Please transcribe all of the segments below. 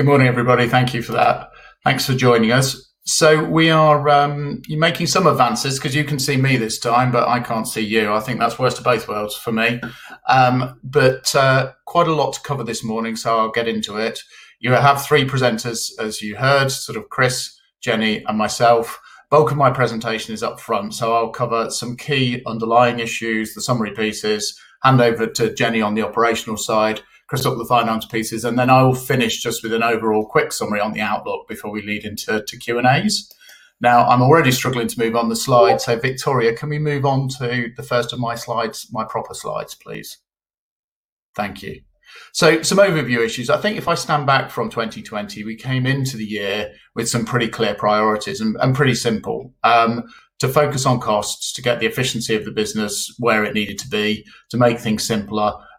Good morning, everybody. Thank you for that. Thanks for joining us. We are making some advances because you can see me this time, but I can't see you. I think that's worst of both worlds for me. Quite a lot to cover this morning, so I'll get into it. You have three presenters, as you heard, Chris, Jennie, and myself. Bulk of my presentation is up front, so I'll cover some key underlying issues, the summary pieces, hand over to Jennie on the operational side, Chris on the finance pieces, and then I will finish just with an overall quick summary on the outlook before we lead into Q&As. I'm already struggling to move on the slides. Victoria, can we move on to the first of my slides, my proper slides, please? Thank you. Some overview issues. I think if I stand back from 2020, we came into the year with some pretty clear priorities and pretty simple. To focus on costs, to get the efficiency of the business where it needed to be, to make things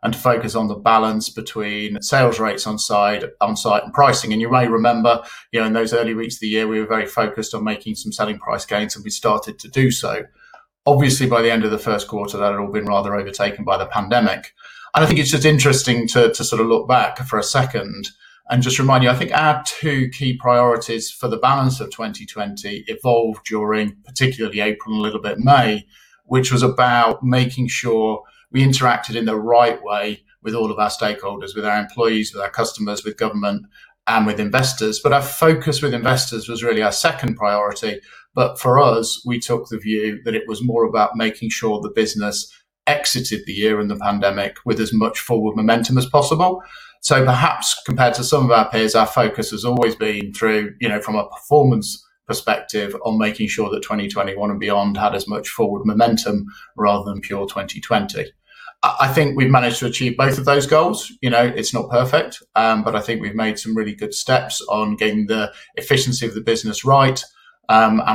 simpler, to focus on the balance between sales rates on site and pricing. You may remember, in those early weeks of the year, we were very focused on making some selling price gains, and we started to do so. Obviously, by the end of the first quarter, that had all been rather overtaken by the pandemic. I think it's just interesting to sort of look back for a second and just remind you, I think our two key priorities for the balance of 2020 evolved during particularly April and a little bit May, which was about making sure we interacted in the right way with all of our stakeholders, with our employees, with our customers, with government, and with investors. Our focus with investors was really our second priority. For us, we took the view that it was more about making sure the business exited the year and the pandemic with as much forward momentum as possible. Perhaps compared to some of our peers, our focus has always been through, from a performance perspective, on making sure that 2021 and beyond had as much forward momentum rather than pure 2020. I think we've managed to achieve both of those goals. It's not perfect, but I think we've made some really good steps on getting the efficiency of the business right.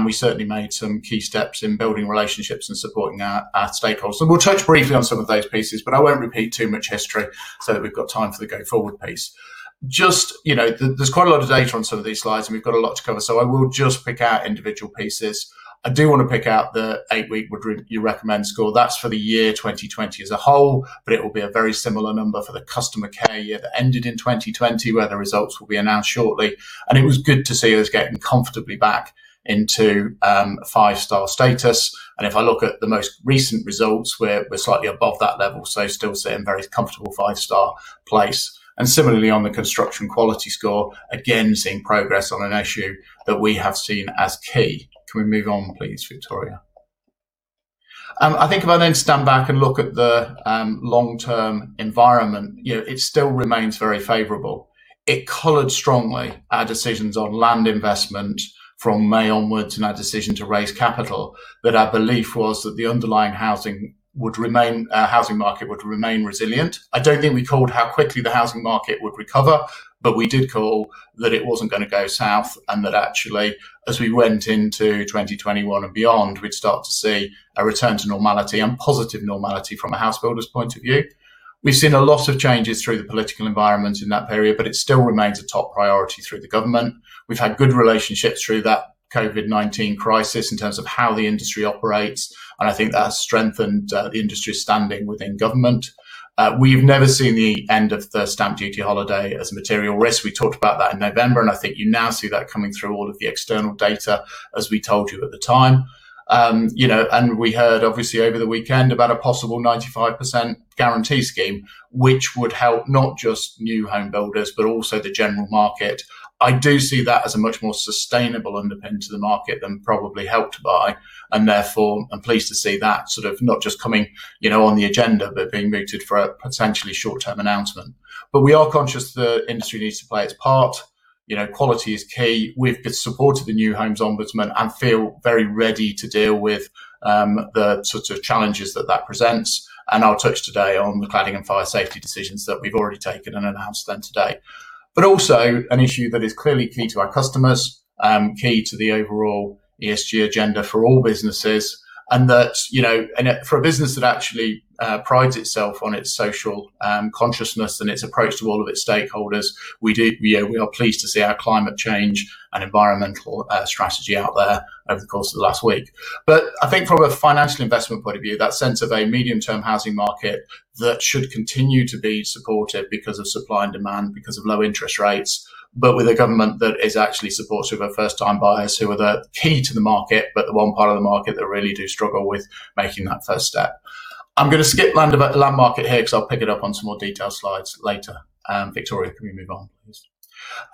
We certainly made some key steps in building relationships and supporting our stakeholders. We'll touch briefly on some of those pieces, but I won't repeat too much history so that we've got time for the go forward piece. There's quite a lot of data on some of these slides, and we've got a lot to cover, so I will just pick out individual pieces. I do want to pick out the eight-week Would You Recommend score. That's for the year 2020 as a whole, but it will be a very similar number for the customer care year that ended in 2020, where the results will be announced shortly. It was good to see us getting comfortably back into five star status. If I look at the most recent results, we're slightly above that level, so still sitting very comfortable five-star place. Similarly on the construction quality score, again, seeing progress on an issue that we have seen as key. Can we move on, please, Victoria? I think if I then stand back and look at the long-term environment, it still remains very favorable. It colored strongly our decisions on land investment from May onwards in our decision to raise capital, that our belief was that the underlying housing market would remain resilient. I don't think we called how quickly the housing market would recover, but we did call that it wasn't going to go south, and that actually, as we went into 2021 and beyond, we'd start to see a return to normality and positive normality from a house builder's point of view. We've seen a lot of changes through the political environment in that period, but it still remains a top priority through the government. We've had good relationships through that COVID-19 crisis in terms of how the industry operates, and I think that has strengthened the industry's standing within government. We've never seen the end of the stamp duty holiday as a material risk. We talked about that in November, and I think you now see that coming through all of the external data, as we told you at the time. We heard obviously over the weekend about a possible 95% Guarantee Scheme, which would help not just new home builders, but also the general market. I do see that as a much more sustainable underpin to the market than probably Help to Buy, and therefore I'm pleased to see that sort of not just coming on the agenda, but being mooted for a potentially short term announcement. We are conscious the industry needs to play its part. Quality is key. We've supported the New Homes Ombudsman and feel very ready to deal with the sorts of challenges that that presents, and I'll touch today on the cladding and fire safety decisions that we've already taken and announced then today. Also an issue that is clearly key to our customers, key to the overall ESG agenda for all businesses, and for a business that actually prides itself on its social consciousness and its approach to all of its stakeholders, we are pleased to see our climate change and environmental strategy out there over the course of the last week. I think from a financial investment point of view, that sense of a medium term housing market that should continue to be supported because of supply and demand, because of low interest rates, but with a government that is actually supportive of first time buyers who are the key to the market, but the one part of the market that really do struggle with making that first step. I'm going to skip land market here because I'll pick it up on some more detailed slides later. Victoria, can we move on, please?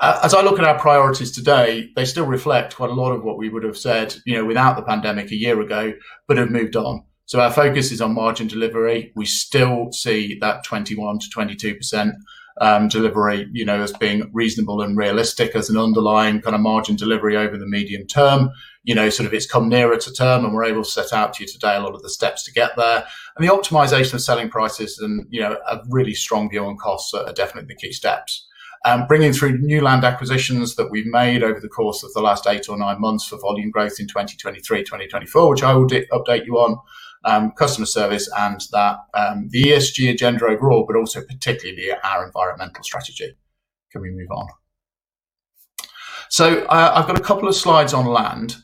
As I look at our priorities today, they still reflect quite a lot of what we would have said without the pandemic a year ago, but have moved on. Our focus is on margin delivery. We still see that 21%-22% delivery as being reasonable and realistic as an underlying kind of margin delivery over the medium term. Sort of it's come nearer to term, and we're able to set out to you today a lot of the steps to get there. The optimization of selling prices and a really strong view on costs are definitely the key steps. Bringing through new land acquisitions that we've made over the course of the last eight or nine months for volume growth in 2023 and 2024, which I will update you on. Customer service and the ESG agenda overall, but also particularly our environmental strategy. Can we move on, please? I've got a couple of slides on land.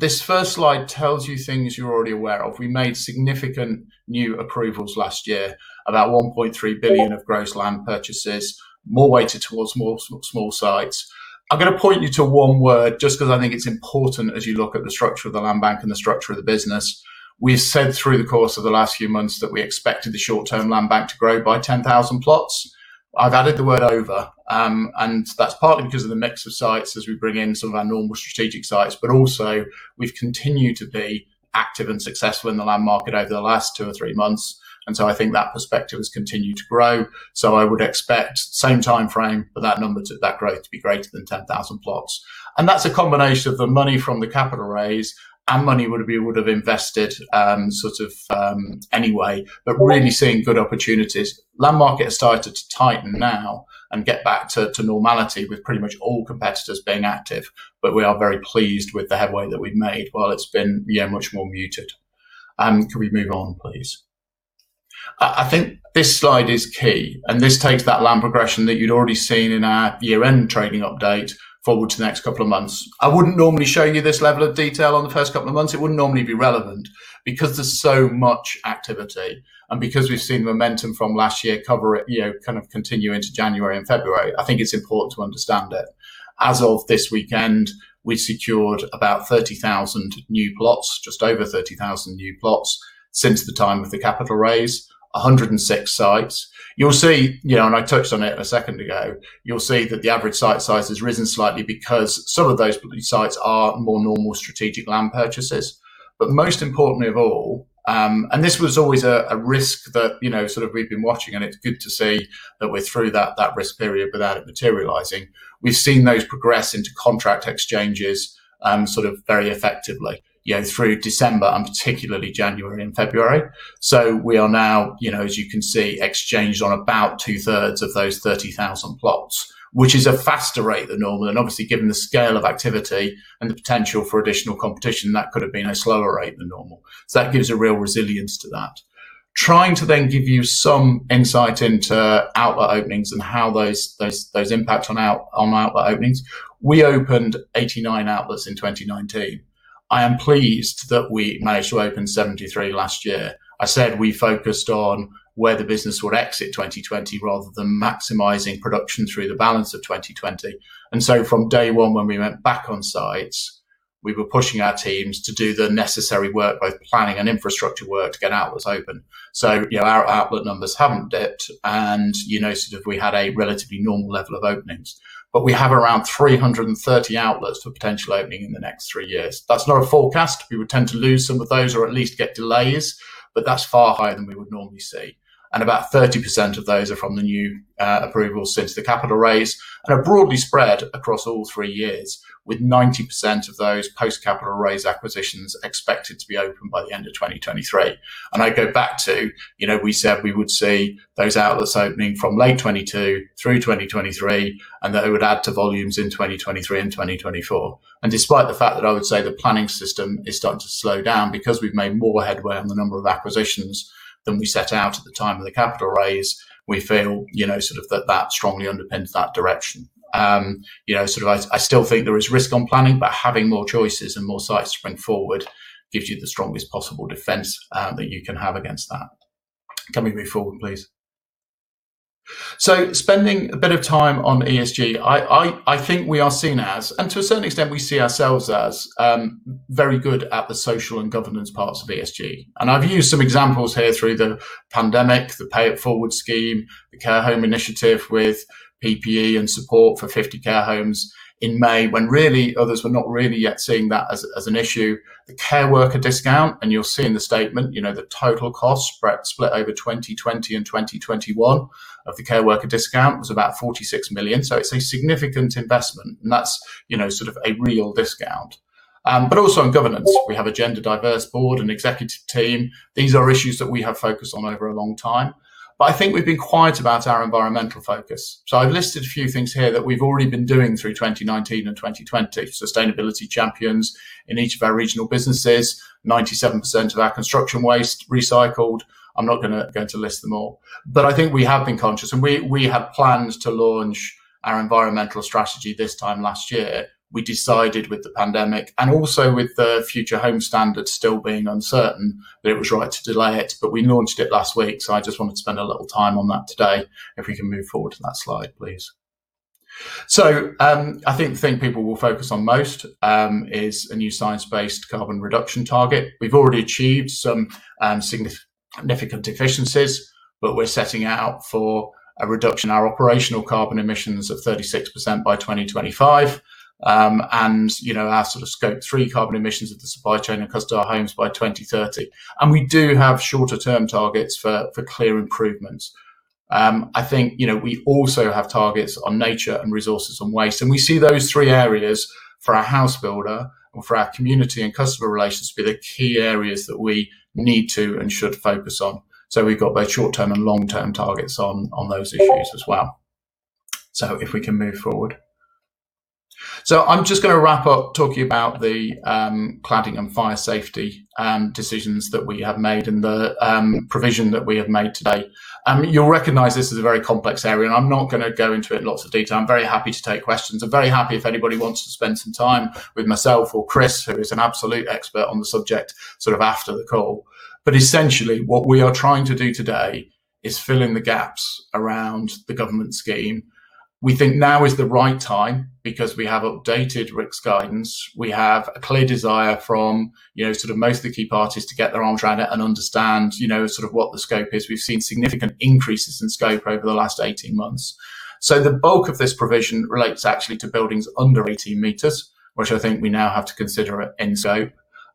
This first slide tells you things you're already aware of. We made significant new approvals last year, about 1.3 billion of gross land purchases, more weighted towards more small sites. I'm going to point you to one word just because I think it's important as you look at the structure of the land bank and the structure of the business. We've said through the course of the last few months that we expected the short-term land bank to grow by 10,000 plots. I've added the word over, and that's partly because of the mix of sites as we bring in some of our normal strategic sites, but also we've continued to be active and successful in the land market over the last two or three months. I think that perspective has continued to grow. I would expect same timeframe for that growth to be greater than 10,000 plots. That's a combination of the money from the capital raise and money we would have invested sort of anyway, but really seeing good opportunities. Land market has started to tighten now and get back to normality with pretty much all competitors being active, but we are very pleased with the headway that we've made while it's been much more muted. Can we move on, please? I think this slide is key, and this takes that land progression that you'd already seen in our year-end trading update forward to the next couple of months. I wouldn't normally show you this level of detail on the first couple of months. It wouldn't normally be relevant because there's so much activity, and because we've seen momentum from last year cover it, kind of continue into January and February. I think it's important to understand it. As of this weekend, we secured about 30,000 new plots, just over 30,000 new plots since the time of the capital raise, 106 sites. You'll see, and I touched on it a second ago, you'll see that the average site size has risen slightly because some of those sites are more normal strategic land purchases. Most importantly of all, and this was always a risk that sort of we've been watching and it's good to see that we're through that risk period without it materializing. We've seen those progress into contract exchanges sort of very effectively through December and particularly January and February. We are now, as you can see, exchanged on about two-thirds of those 30,000 plots, which is a faster rate than normal and obviously given the scale of activity and the potential for additional competition, that could have been a slower rate than normal. That gives a real resilience to that. Trying to then give you some insight into outlet openings and how those impact on outlet openings. We opened 89 outlets in 2019. I am pleased that we managed to open 73 last year. I said we focused on where the business would exit 2020 rather than maximizing production through the balance of 2020. From day one when we went back on sites, we were pushing our teams to do the necessary work, both planning and infrastructure work to get outlets open. Our outlet numbers haven't dipped and you know, sort of we had a relatively normal level of openings. We have around 330 outlets for potential opening in the next three years. That's not a forecast. We would tend to lose some of those or at least get delays, but that's far higher than we would normally see. About 30% of those are from the new approvals since the capital raise and are broadly spread across all three years, with 90% of those post-capital raise acquisitions expected to be open by the end of 2023. I go back to, we said we would see those outlets opening from late 2022 through 2023 and that it would add to volumes in 2023 and 2024. Despite the fact that I would say the planning system is starting to slow down because we've made more headway on the number of acquisitions than we set out at the time of the capital raise, we feel, sort of that strongly underpins that direction. I still think there is risk on planning, but having more choices and more sites to bring forward gives you the strongest possible defense that you can have against that. Can we move forward, please? Spending a bit of time on ESG. I think we are seen as, and to a certain extent we see ourselves as, very good at the social and governance parts of ESG. I've used some examples here through the pandemic, the Pay It Forward scheme, the care home initiative with PPE and support for 50 care homes in May, when really others were not really yet seeing that as an issue. The care worker discount, you'll see in the statement, the total cost split over 2020 and 2021 of the care worker discount was about 46 million. It's a significant investment, that's sort of a real discount. Also on governance, we have a gender diverse board and executive team. These are issues that we have focused on over a long time, but I think we've been quiet about our environmental focus. I've listed a few things here that we've already been doing through 2019 and 2020. Sustainability champions in each of our regional businesses, 97% of our construction waste recycled. I'm not going to list them all. I think we have been conscious and we had planned to launch our environmental strategy this time last year. We decided with the pandemic and also with the Future Homes Standard still being uncertain, that it was right to delay it. We launched it last week. I just wanted to spend a little time on that today. If we can move forward to that slide, please. I think the thing people will focus on most, is a new science-based carbon reduction target. We've already achieved some significant efficiencies. We're setting out for a reduction our operational carbon emissions of 36% by 2025. Our sort of Scope 3 carbon emissions of the supply chain and customer homes by 2030. We do have shorter term targets for clear improvements. I think we also have targets on nature and resources and waste, and we see those three areas for our house builder and for our community and customer relations be the key areas that we need to and should focus on. We've got those short term and long term targets on those issues as well. If we can move forward. I'm just going to wrap up talking about the cladding and fire safety decisions that we have made and the provision that we have made today. You'll recognize this is a very complex area, and I'm not going to go into it in lots of detail. I'm very happy to take questions. I'm very happy if anybody wants to spend some time with myself or Chris, who is an absolute expert on the subject, sort of after the call. Essentially, what we are trying to do today is fill in the gaps around the government scheme. We think now is the right time because we have updated RICS Guidance. We have a clear desire from most of the key parties to get their arms around it and understand what the scope is. We have seen significant increases in scope over the last 18 months. The bulk of this provision relates actually to buildings under 18 meters, which I think we now have to consider in scope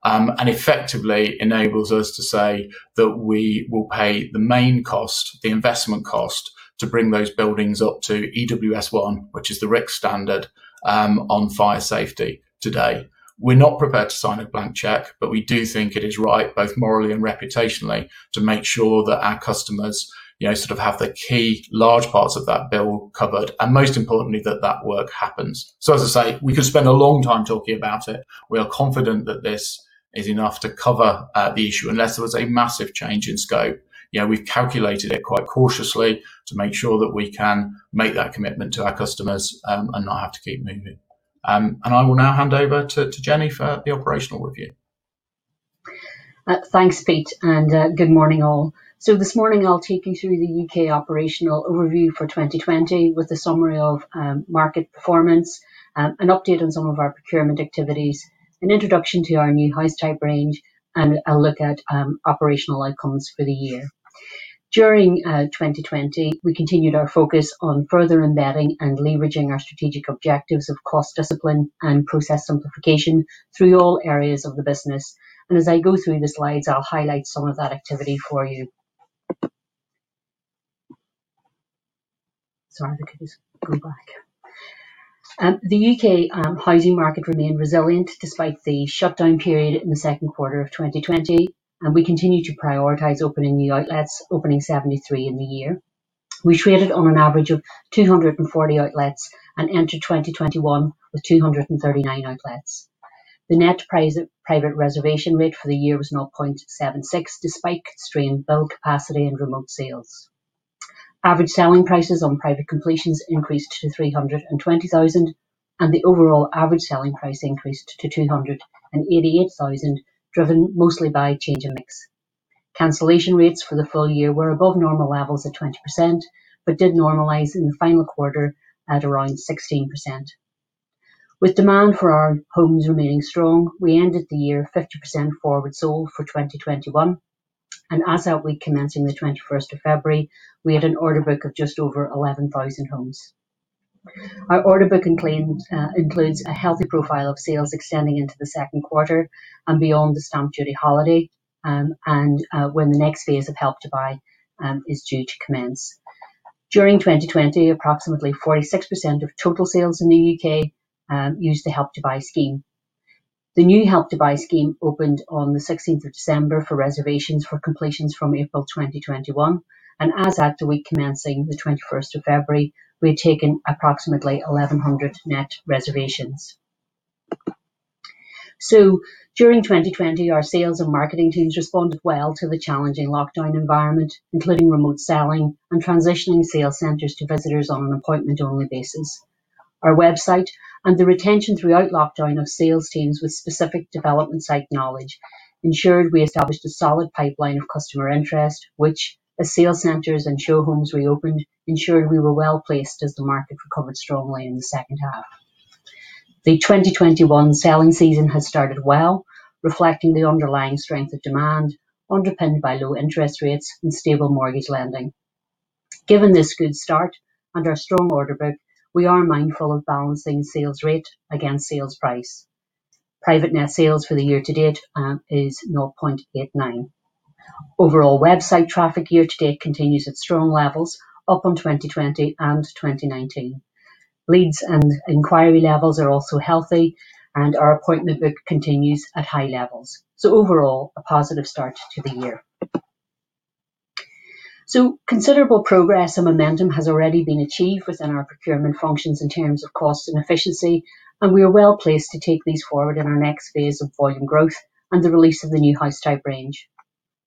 and effectively enables us to say that we will pay the main cost, the investment cost, to bring those buildings up to EWS1, which is the RICS Standard on fire safety today. We're not prepared to sign a blank check, we do think it is right, both morally and reputationally, to make sure that our customers have the key large parts of that bill covered, and most importantly, that that work happens. As I say, we could spend a long time talking about it. We are confident that this is enough to cover the issue unless there was a massive change in scope. We've calculated it quite cautiously to make sure that we can make that commitment to our customers and not have to keep moving. I will now hand over to Jennie for the operational review. Thanks, Pete. Good morning, all. This morning I'll take you through the U.K. operational overview for 2020 with a summary of market performance, an update on some of our procurement activities, an introduction to our new house type range, and a look at operational outcomes for the year. During 2020, we continued our focus on further embedding and leveraging our strategic objectives of cost discipline and process simplification through all areas of the business. As I go through the slides, I'll highlight some of that activity for you. Sorry, if I could just go back. The U.K. housing market remained resilient despite the shutdown period in the second quarter of 2020. We continued to prioritize opening new outlets, opening 73 in the year. We traded on an average of 240 outlets and entered 2021 with 239 outlets. The net private reservation rate for the year was 0.76, despite constrained build capacity and remote sales. Average selling prices on private completions increased to 320,000, and the overall average selling price increased to 288,000, driven mostly by change of mix. Cancellation rates for the full year were above normal levels at 20%, but did normalize in the final quarter at around 16%. With demand for our homes remaining strong, we ended the year 50% forward sold for 2021. As at week commencing the 21st of February, we had an order book of just over 11,000 homes. Our order book includes a healthy profile of sales extending into the second quarter and beyond the stamp duty holiday, and when the next phase of Help to Buy is due to commence. During 2020, approximately 46% of total sales in the U.K. used the Help to Buy scheme. The new Help to Buy scheme opened on the 16th of December for reservations for completions from April 2021. As at the week commencing the 21st of February, we had taken approximately 1,100 net reservations. During 2020, our sales and marketing teams responded well to the challenging lockdown environment, including remote selling and transitioning sales centers to visitors on an appointment-only basis. Our website and the retention throughout lockdown of sales teams with specific development site knowledge ensured we established a solid pipeline of customer interest, which, as sale centers and show homes reopened, ensured we were well-placed as the market recovered strongly in the second half. The 2021 selling season has started well, reflecting the underlying strength of demand, underpinned by low interest rates and stable mortgage lending. Given this good start and our strong order book, we are mindful of balancing sales rate against sales price. Private net sales for the year to date is 0.89. Overall website traffic year to date continues at strong levels, up on 2020 and 2019. Leads and inquiry levels are also healthy, and our appointment book continues at high levels. Overall, a positive start to the year. Considerable progress and momentum has already been achieved within our procurement functions in terms of cost and efficiency, and we are well-placed to take these forward in our next phase of volume growth and the release of the new house type range.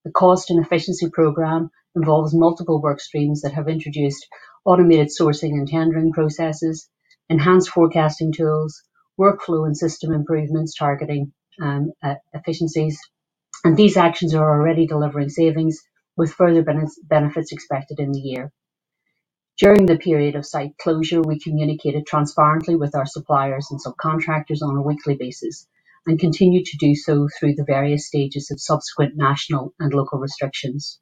The cost and efficiency program involves multiple work streams that have introduced automated sourcing and tendering processes, enhanced forecasting tools, workflow and system improvements targeting efficiencies. These actions are already delivering savings with further benefits expected in the year. During the period of site closure, we communicated transparently with our suppliers and subcontractors on a weekly basis and continued to do so through the various stages of subsequent national and local restrictions.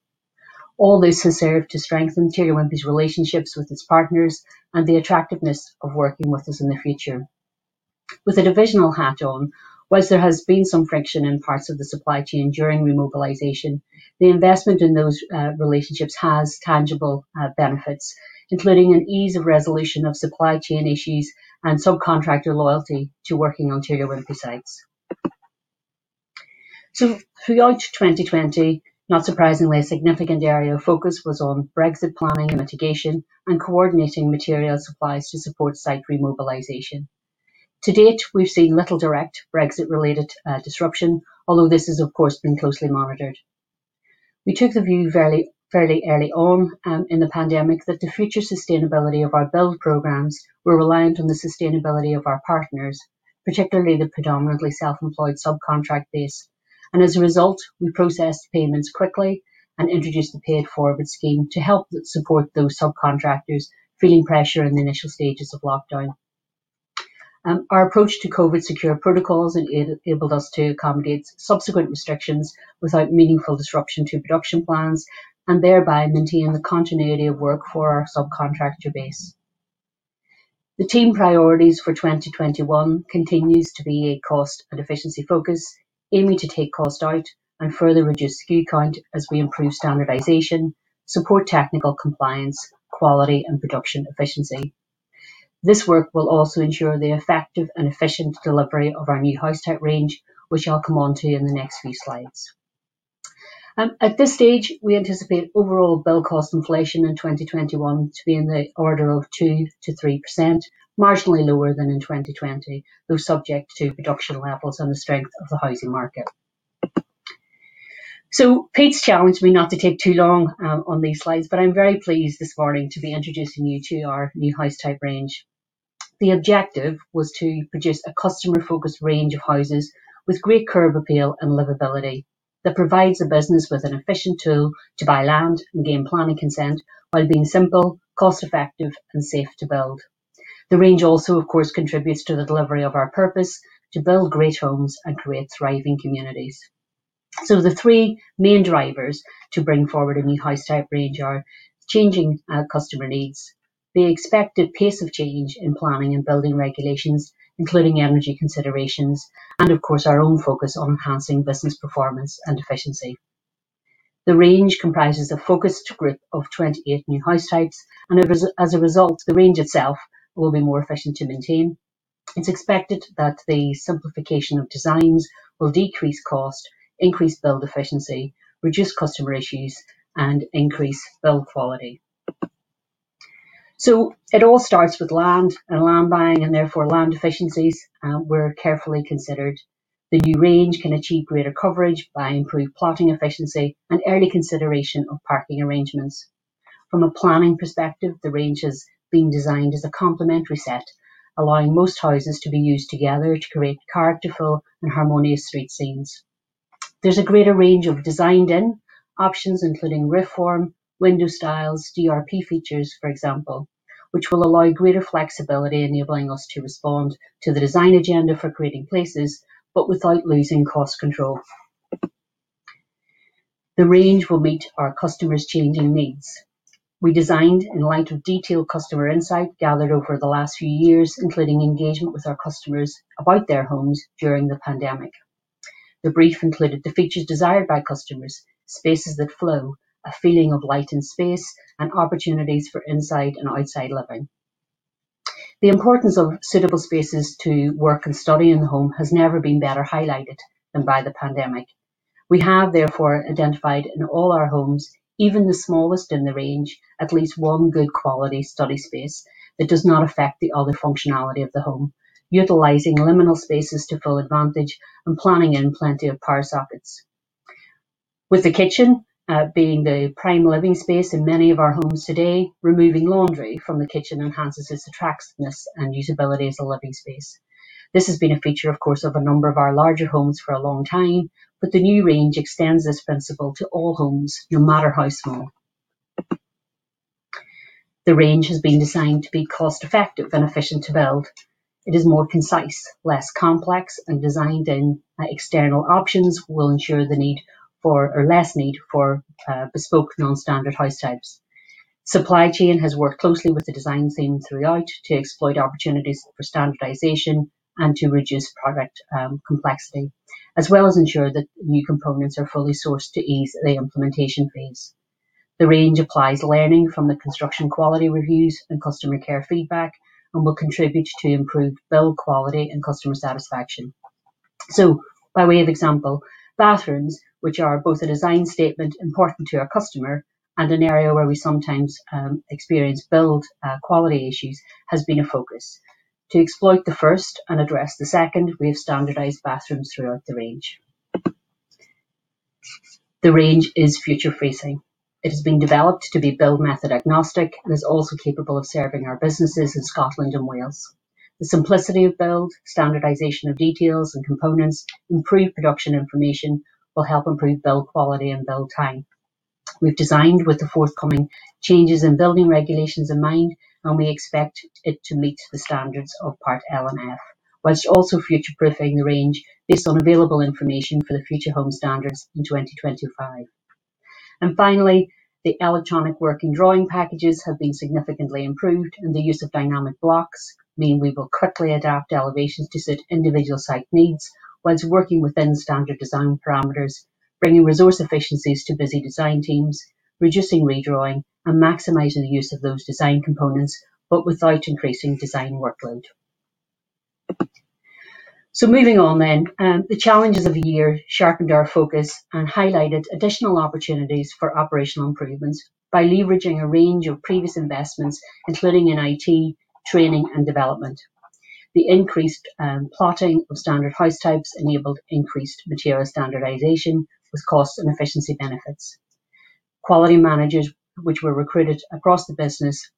All this has served to strengthen Taylor Wimpey's relationships with its partners and the attractiveness of working with us in the future. With a divisional hat on, whilst there has been some friction in parts of the supply chain during remobilization, the investment in those relationships has tangible benefits, including an ease of resolution of supply chain issues and subcontractor loyalty to working on Taylor Wimpey sites. Throughout 2020, not surprisingly, a significant area of focus was on Brexit planning and mitigation and coordinating material supplies to support site remobilization. To date, we've seen little direct Brexit-related disruption, although this has, of course, been closely monitored. We took the view fairly early on in the pandemic that the future sustainability of our build programs were reliant on the sustainability of our partners, particularly the predominantly self-employed subcontract base. As a result, we processed payments quickly and introduced the Pay It Forward scheme to help support those subcontractors feeling pressure in the initial stages of lockdown. Our approach to COVID-19 secure protocols enabled us to accommodate subsequent restrictions without meaningful disruption to production plans, thereby maintaining the continuity of work for our subcontractor base. The team priorities for 2021 continues to be a cost and efficiency focus, aiming to take cost out and further reduce SKU count as we improve standardization, support technical compliance, quality, and production efficiency. This work will also ensure the effective and efficient delivery of our new house type range, which I'll come onto in the next few slides. At this stage, we anticipate overall build cost inflation in 2021 to be in the order of 2%-3%, marginally lower than in 2020, though subject to production levels and the strength of the housing market. Pete's challenged me not to take too long on these slides, but I'm very pleased this morning to be introducing you to our new house type range. The objective was to produce a customer-focused range of houses with great curb appeal and livability that provides the business with an efficient tool to buy land and gain planning consent while being simple, cost-effective, and safe to build. The range also, of course, contributes to the delivery of our purpose to build great homes and create thriving communities. The three main drivers to bring forward a new house type range are changing our customer needs, the expected pace of change in planning and building regulations, including energy considerations, and of course, our own focus on enhancing business performance and efficiency. The range comprises a focused group of 28 new house types. As a result, the range itself will be more efficient to maintain. It's expected that the simplification of designs will decrease cost, increase build efficiency, reduce customer issues, and increase build quality. It all starts with land and land buying. Therefore, land efficiencies were carefully considered. The new range can achieve greater coverage by improved plotting efficiency and early consideration of parking arrangements. From a planning perspective, the range has been designed as a complementary set, allowing most houses to be used together to create characterful and harmonious street scenes. There's a greater range of designed-in options, including roof form, window styles, GRP features, for example, which will allow greater flexibility, enabling us to respond to the design agenda for creating places but without losing cost control. The range will meet our customers' changing needs. We designed in light of detailed customer insight gathered over the last few years, including engagement with our customers about their homes during the pandemic. The brief included the features desired by customers, spaces that flow, a feeling of light and space, and opportunities for inside and outside living. The importance of suitable spaces to work and study in the home has never been better highlighted than by the pandemic. We have therefore identified in all our homes, even the smallest in the range, at least one good quality study space that does not affect the other functionality of the home, utilizing liminal spaces to full advantage and planning in plenty of power sockets. With the kitchen being the prime living space in many of our homes today, removing laundry from the kitchen enhances its attractiveness and usability as a living space. This has been a feature, of course, of a number of our larger homes for a long time, but the new range extends this principle to all homes, no matter how small. The range has been designed to be cost-effective and efficient to build. It is more concise, less complex, and designed-in external options will ensure the less need for bespoke non-standard house types. Supply chain has worked closely with the design team throughout to exploit opportunities for standardization and to reduce product complexity, as well as ensure that new components are fully sourced to ease the implementation phase. The range applies learning from the construction quality reviews and customer care feedback and will contribute to improved build quality and customer satisfaction. By way of example, bathrooms, which are both a design statement important to our customer and an area where we sometimes experience build quality issues, has been a focus. To exploit the first and address the second, we've standardized bathrooms throughout the range. The range is future-facing. It has been developed to be build method agnostic and is also capable of serving our businesses in Scotland and Wales. The simplicity of build, standardization of details and components, improved production information will help improve build quality and build time. We've designed with the forthcoming changes in building regulations in mind, and we expect it to meet the standards of Part L and Part F, while also future-proofing the range based on available information for the Future Homes Standard in 2025. Finally, the electronic working drawing packages have been significantly improved, and the use of dynamic blocks mean we will quickly adapt elevations to suit individual site needs while working within standard design parameters, bringing resource efficiencies to busy design teams, reducing redrawing, and maximizing the use of those design components, without increasing design workload. Moving on then. The challenges of the year sharpened our focus and highlighted additional opportunities for operational improvements by leveraging a range of previous investments, including in IT, training, and development. The increased plotting of standard house types enabled increased material standardization with cost and efficiency benefits. Quality managers, which were recruited across the business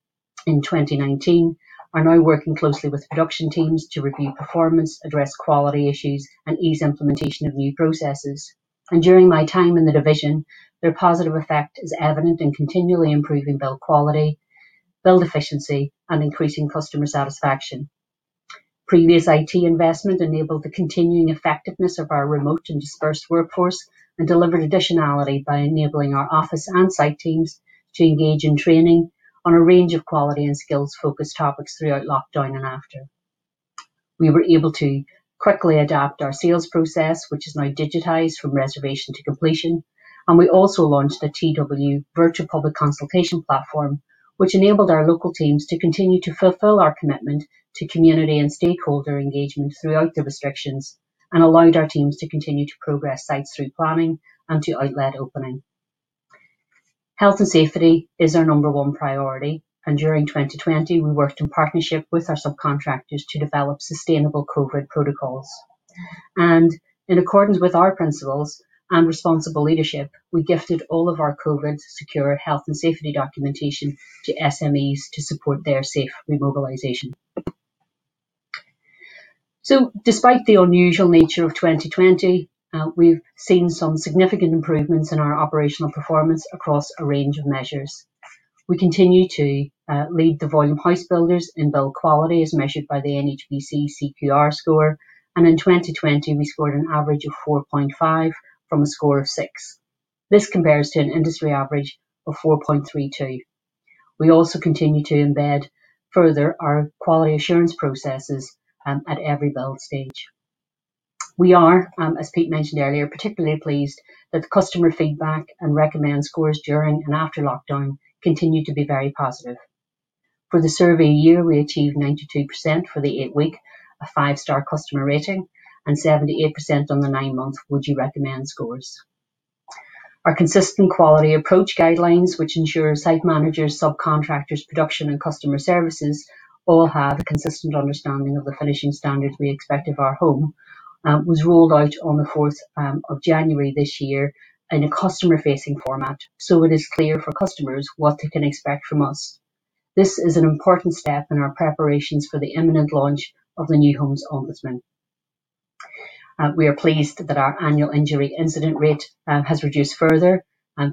in 2019, are now working closely with production teams to review performance, address quality issues, and ease implementation of new processes. During my time in the division, their positive effect is evident in continually improving build quality, build efficiency, and increasing customer satisfaction. Previous IT investment enabled the continuing effectiveness of our remote and dispersed workforce, and delivered additionality by enabling our office and site teams to engage in training on a range of quality and skills-focused topics throughout lockdown and after. We were able to quickly adapt our sales process, which is now digitized from reservation to completion, and we also launched the TW virtual public consultation platform, which enabled our local teams to continue to fulfill our commitment to community and stakeholder engagement throughout the restrictions and allowed our teams to continue to progress sites through planning and to outlet opening. Health and safety is our number one priority, and during 2020, we worked in partnership with our subcontractors to develop sustainable COVID-19 protocols. In accordance with our principles and responsible leadership, we gifted all of our COVID secure health and safety documentation to SMEs to support their safe remobilization. Despite the unusual nature of 2020, we've seen some significant improvements in our operational performance across a range of measures. We continue to lead the volume house builders in build quality as measured by the NHBC CQR score. In 2020, we scored an average of 4.5 from a score of 6. This compares to an industry average of 4.32. We also continue to embed further our quality assurance processes, at every build stage. We are, as Pete mentioned earlier, particularly pleased that the customer feedback and recommend scores during and after lockdown continue to be very positive. For the survey year, we achieved 92% for the eight-week, a five-star customer rating, and 78% on the nine-month Would You Recommend scores. Our consistent quality approach guidelines, which ensure site managers, subcontractors, production, and customer services all have a consistent understanding of the finishing standards we expect of our home, was rolled out on the 4th of January this year in a customer facing format, so it is clear for customers what they can expect from us. This is an important step in our preparations for the imminent launch of the New Homes Ombudsman. We are pleased that our annual injury incident rate has reduced further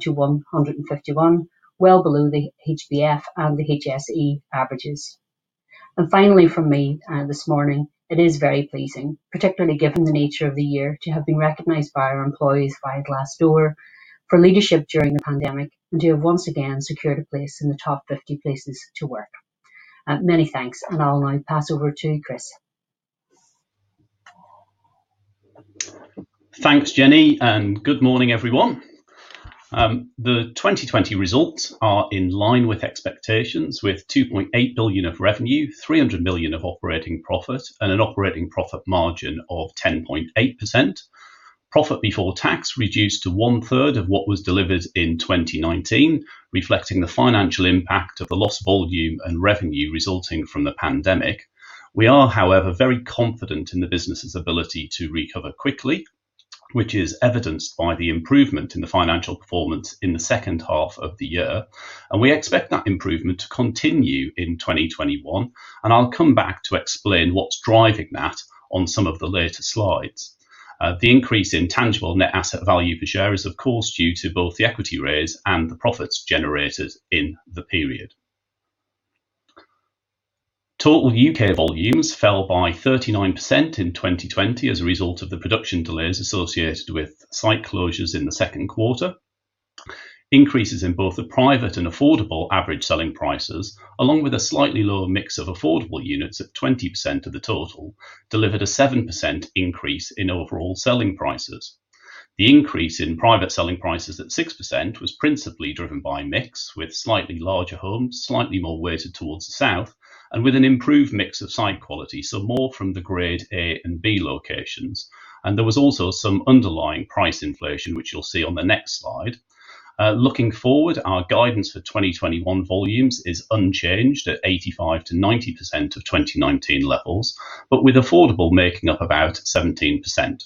to 151, well below the HBF and the HSE averages. Finally from me this morning, it is very pleasing, particularly given the nature of the year, to have been recognized by our employees via Glassdoor for leadership during the pandemic, and to have once again secured a place in the top 50 places to work. Many thanks, and I'll now pass over to Chris. Thanks, Jennie. Good morning, everyone. The 2020 results are in line with expectations with 2.8 billion of revenue, 300 million of operating profit, an operating profit margin of 10.8%. Profit before tax reduced to 1/3 of what was delivered in 2019, reflecting the financial impact of the lost volume and revenue resulting from the pandemic. We are, however, very confident in the business's ability to recover quickly, which is evidenced by the improvement in the financial performance in the second half of the year. We expect that improvement to continue in 2021. I'll come back to explain what's driving that on some of the later slides. The increase in tangible net asset value per share is of course, due to both the equity raise and the profits generated in the period. Total U.K. volumes fell by 39% in 2020 as a result of the production delays associated with site closures in the second quarter. Increases in both the private and affordable average selling prices, along with a slightly lower mix of affordable units at 20% of the total, delivered a 7% increase in overall selling prices. The increase in private selling prices at 6% was principally driven by mix with slightly larger homes, slightly more weighted towards the south, and with an improved mix of site quality, so more from the grade A and B locations. There was also some underlying price inflation, which you'll see on the next slide. Looking forward, our guidance for 2021 volumes is unchanged at 85%-90% of 2019 levels, but with affordable making up about 17%.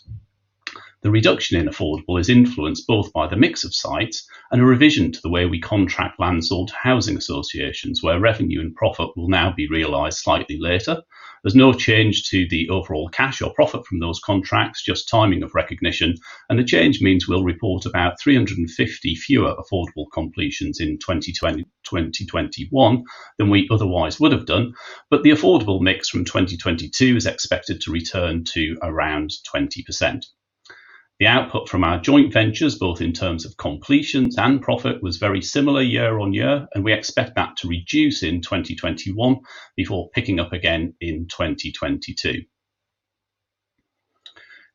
The reduction in affordable is influenced both by the mix of sites and a revision to the way we contract land sold to housing associations, where revenue and profit will now be realized slightly later. There's no change to the overall cash or profit from those contracts, just timing of recognition. The change means we'll report about 350 fewer affordable completions in 2021 than we otherwise would have done. The affordable mix from 2022 is expected to return to around 20%. The output from our joint ventures, both in terms of completions and profit, was very similar year-over-year. We expect that to reduce in 2021 before picking up again in 2022.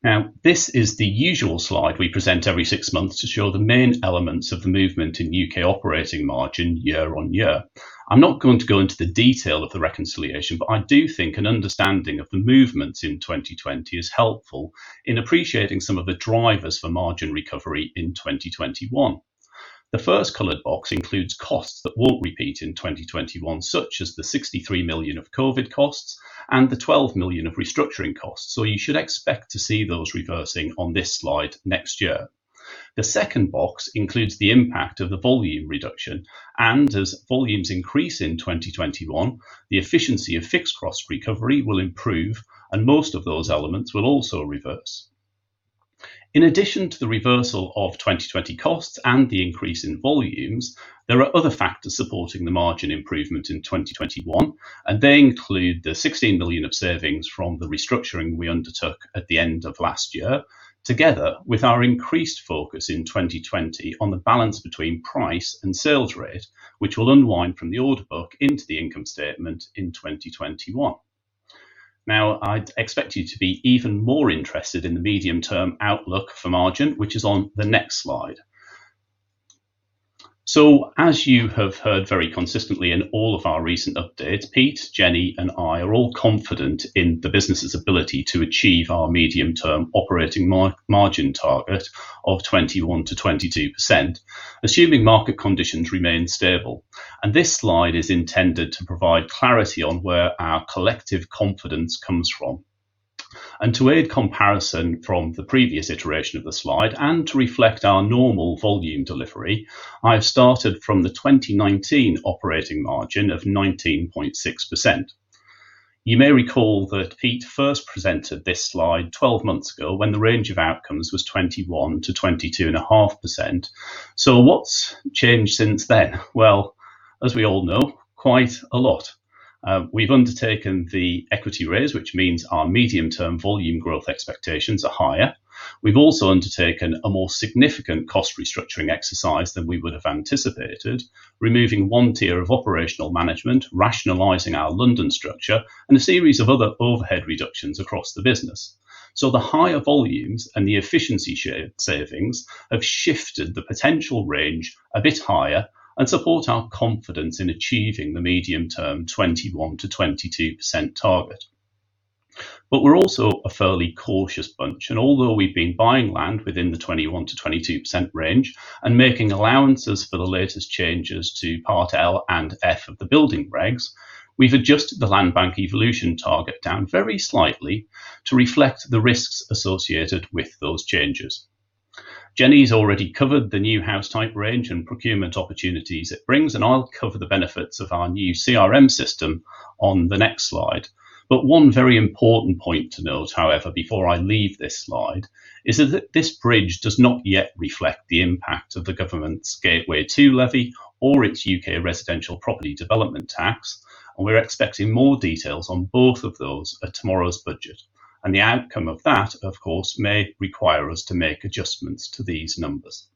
Now, this is the usual slide we present every six months to show the main elements of the movement in U.K. operating margin year-over-year. I'm not going to go into the detail of the reconciliation, but I do think an understanding of the movements in 2020 is helpful in appreciating some of the drivers for margin recovery in 2021. The first colored box includes costs that won't repeat in 2021, such as the 63 million of COVID costs and the 12 million of restructuring costs. You should expect to see those reversing on this slide next year. The second box includes the impact of the volume reduction, and as volumes increase in 2021, the efficiency of fixed cost recovery will improve, and most of those elements will also reverse. In addition to the reversal of 2020 costs and the increase in volumes, there are other factors supporting the margin improvement in 2021 and they include the 16 million of savings from the restructuring we undertook at the end of last year, together with our increased focus in 2020 on the balance between price and sales rate, which will unwind from the order book into the income statement in 2021. I expect you to be even more interested in the medium-term outlook for margin, which is on the next slide. As you have heard very consistently in all of our recent updates, Pete, Jennie and I are all confident in the business's ability to achieve our medium-term operating margin target of 21%-22%, assuming market conditions remain stable. This slide is intended to provide clarity on where our collective confidence comes from. To aid comparison from the previous iteration of the slide and to reflect our normal volume delivery, I have started from the 2019 operating margin of 19.6%. You may recall that Pete first presented this slide 12 months ago when the range of outcomes was 21%-22.5%. What's changed since then? Well, as we all know, quite a lot. We've undertaken the equity raise, which means our medium-term volume growth expectations are higher. We've also undertaken a more significant cost restructuring exercise than we would have anticipated, removing one tier of operational management, rationalizing our London structure, and a series of other overhead reductions across the business. The higher volumes and the efficiency savings have shifted the potential range a bit higher and support our confidence in achieving the medium term 21%-22% target. We're also a fairly cautious bunch, and although we've been buying land within the 21%-22% range and making allowances for the latest changes to Part L and F of the Building Regs, we've adjusted the land bank evolution target down very slightly to reflect the risks associated with those changes. Jennie's already covered the new house type range and procurement opportunities it brings, and I'll cover the benefits of our new CRM system on the next slide. One very important point to note, however, before I leave this slide, is that this bridge does not yet reflect the impact of the government's Building Safety Levy or its U.K. Residential Property Developer Tax and we're expecting more details on both of those at tomorrow's budget. The outcome of that, of course, may require us to make adjustments to these numbers.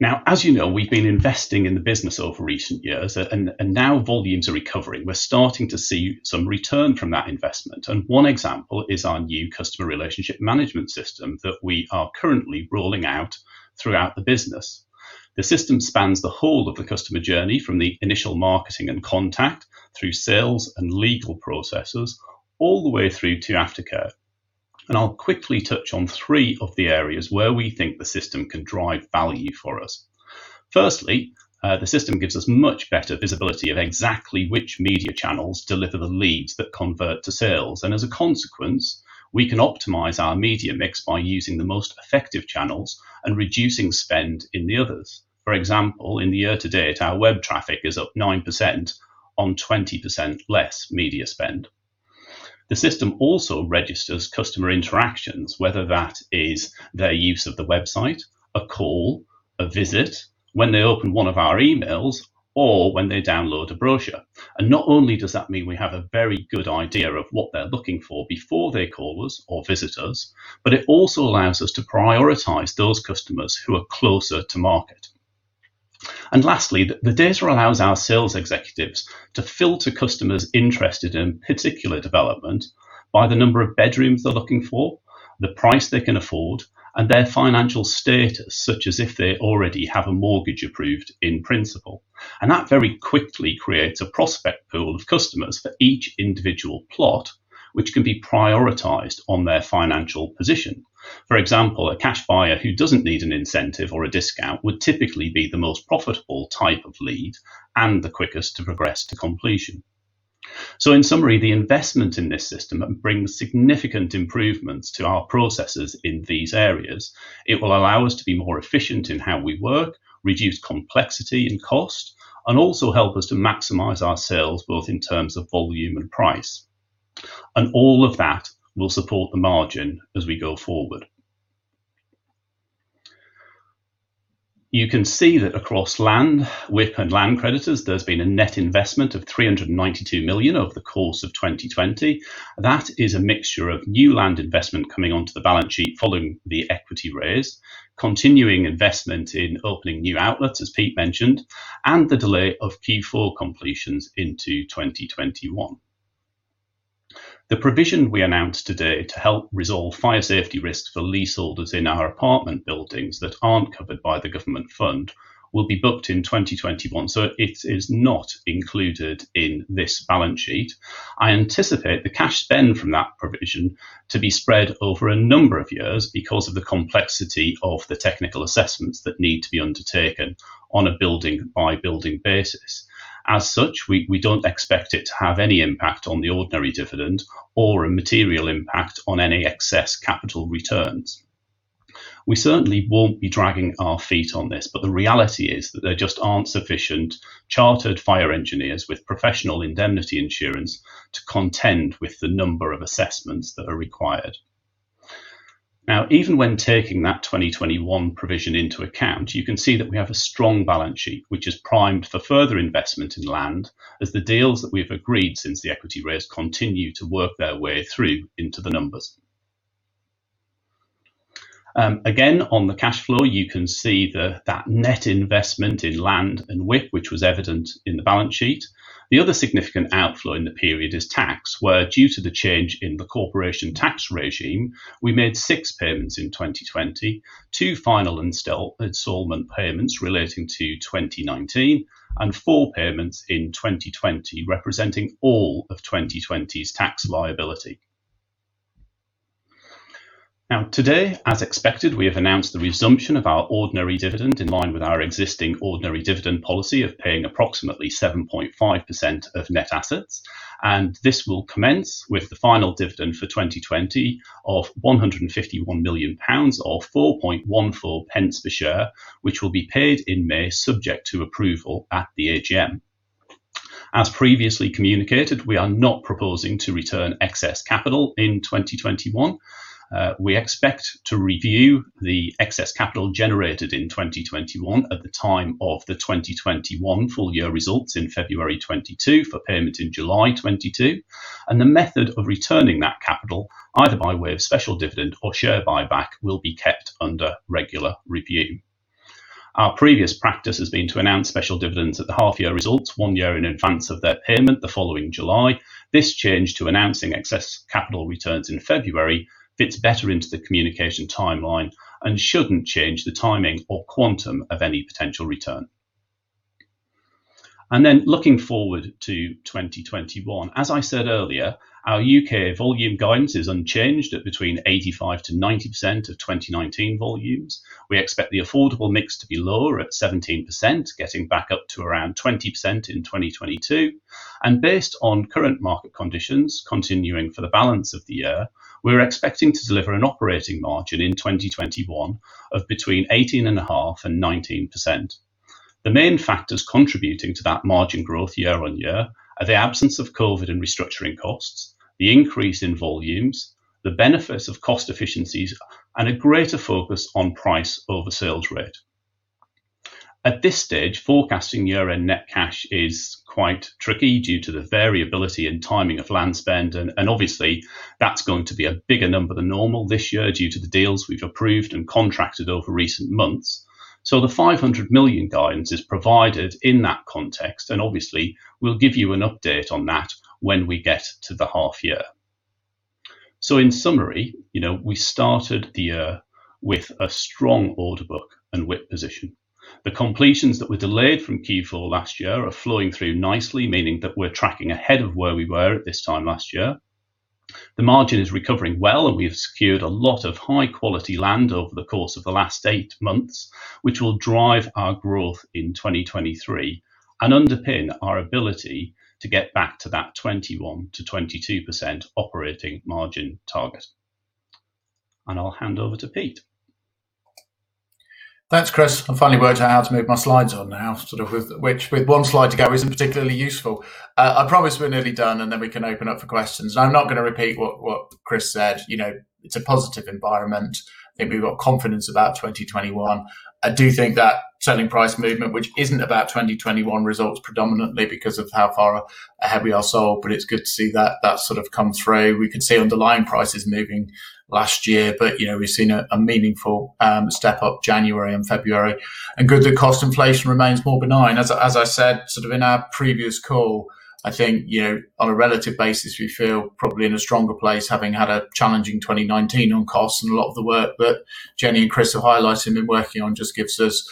Now, as you know, we've been investing in the business over recent years and now volumes are recovering. We're starting to see some return from that investment and one example is our new customer relationship management system that we are currently rolling out throughout the business. The system spans the whole of the customer journey from the initial marketing and contact through sales and legal processes all the way through to aftercare. I'll quickly touch on three of the areas where we think the system can drive value for us. Firstly, the system gives us much better visibility of exactly which media channels deliver the leads that convert to sales, and as a consequence, we can optimize our media mix by using the most effective channels and reducing spend in the others. For example, in the year to date, our web traffic is up 9% on 20% less media spend. The system also registers customer interactions, whether that is their use of the website, a call, a visit, when they open one of our emails, or when they download a brochure. Not only does that mean we have a very good idea of what they're looking for before they call us or visit us, but it also allows us to prioritize those customers who are closer to market. Lastly, the data allows our sales executives to filter customers interested in particular development by the number of bedrooms they're looking for, the price they can afford, and their financial status, such as if they already have a mortgage approved in principle. That very quickly creates a prospect pool of customers for each individual plot, which can be prioritized on their financial position. For example, a cash buyer who doesn't need an incentive or a discount would typically be the most profitable type of lead and the quickest to progress to completion. In summary, the investment in this system brings significant improvements to our processes in these areas. It will allow us to be more efficient in how we work, reduce complexity and cost, and also help us to maximize our sales both in terms of volume and price. All of that will support the margin as we go forward. You can see that across land, WIP and land creditors, there's been a net investment of 392 million over the course of 2020. That is a mixture of new land investment coming onto the balance sheet following the equity raise, continuing investment in opening new outlets, as Pete mentioned, and the delay of Q4 completions into 2021. The provision we announced today to help resolve fire safety risks for leaseholders in our apartment buildings that aren't covered by the government fund will be booked in 2021. It is not included in this balance sheet. I anticipate the cash spend from that provision to be spread over a number of years because of the complexity of the technical assessments that need to be undertaken on a building-by-building basis. As such, we don't expect it to have any impact on the ordinary dividend or a material impact on any excess capital returns. We certainly won't be dragging our feet on this, but the reality is that there just aren't sufficient chartered fire engineers with professional indemnity insurance to contend with the number of assessments that are required. Even when taking that 2021 provision into account, you can see that we have a strong balance sheet, which is primed for further investment in land as the deals that we've agreed since the equity raise continue to work their way through into the numbers. Again, on the cash flow, you can see that net investment in land and WIP, which was evident in the balance sheet. The other significant outflow in the period is tax, where, due to the change in the corporation tax regime, we made six payments in 2020, two final installment payments relating to 2019, and four payments in 2020, representing all of 2020's tax liability. Today, as expected, we have announced the resumption of our ordinary dividend in line with our existing ordinary dividend policy of paying approximately 7.5% of net assets. This will commence with the final dividend for 2020 of 151 million pounds, or 0.0414 per share, which will be paid in May, subject to approval at the AGM. As previously communicated, we are not proposing to return excess capital in 2021. We expect to review the excess capital generated in 2021 at the time of the 2021 full year results in February 2022, for payment in July 2022. The method of returning that capital, either by way of special dividend or share buyback, will be kept under regular review. Our previous practice has been to announce special dividends at the half year results, one year in advance of their payment the following July. This change to announcing excess capital returns in February fits better into the communication timeline and shouldn't change the timing or quantum of any potential return. Looking forward to 2021, as I said earlier, our U.K. volume guidance is unchanged at between 85%-90% of 2019 volumes. We expect the affordable mix to be lower at 17%, getting back up to around 20% in 2022. Based on current market conditions continuing for the balance of the year, we are expecting to deliver an operating margin in 2021 of between 18.5% and 19%. The main factors contributing to that margin growth year-over-year are the absence of COVID and restructuring costs, the increase in volumes, the benefits of cost efficiencies, and a greater focus on price over sales rate. At this stage, forecasting year-end net cash is quite tricky due to the variability and timing of land spend, and obviously, that's going to be a bigger number than normal this year due to the deals we've approved and contracted over recent months. The 500 million guidance is provided in that context, and obviously, we'll give you an update on that when we get to the half year. In summary, we started the year with a strong order book and WIP position. The completions that were delayed from Q4 last year are flowing through nicely, meaning that we're tracking ahead of where we were at this time last year. The margin is recovering well, we have secured a lot of high quality land over the course of the last eight months, which will drive our growth in 2023 and underpin our ability to get back to that 21%-22% operating margin target. I'll hand over to Pete. Thanks, Chris. I finally worked out how to move my slides on now, which with one slide to go isn't particularly useful. I promise we're nearly done, and then we can open up for questions. I'm not going to repeat what Chris said. It's a positive environment. I think we've got confidence about 2021. I do think that selling price movement, which isn't about 2021 results predominantly because of how far ahead we are sold, but it's good to see that sort of come through. We could see underlying prices moving last year, but we've seen a meaningful step up January and February. Good that cost inflation remains more benign. As I said, sort of in our previous call, I think, on a relative basis, we feel probably in a stronger place having had a challenging 2019 on costs and a lot of the work that Jennie and Chris are highlighting and working on just gives us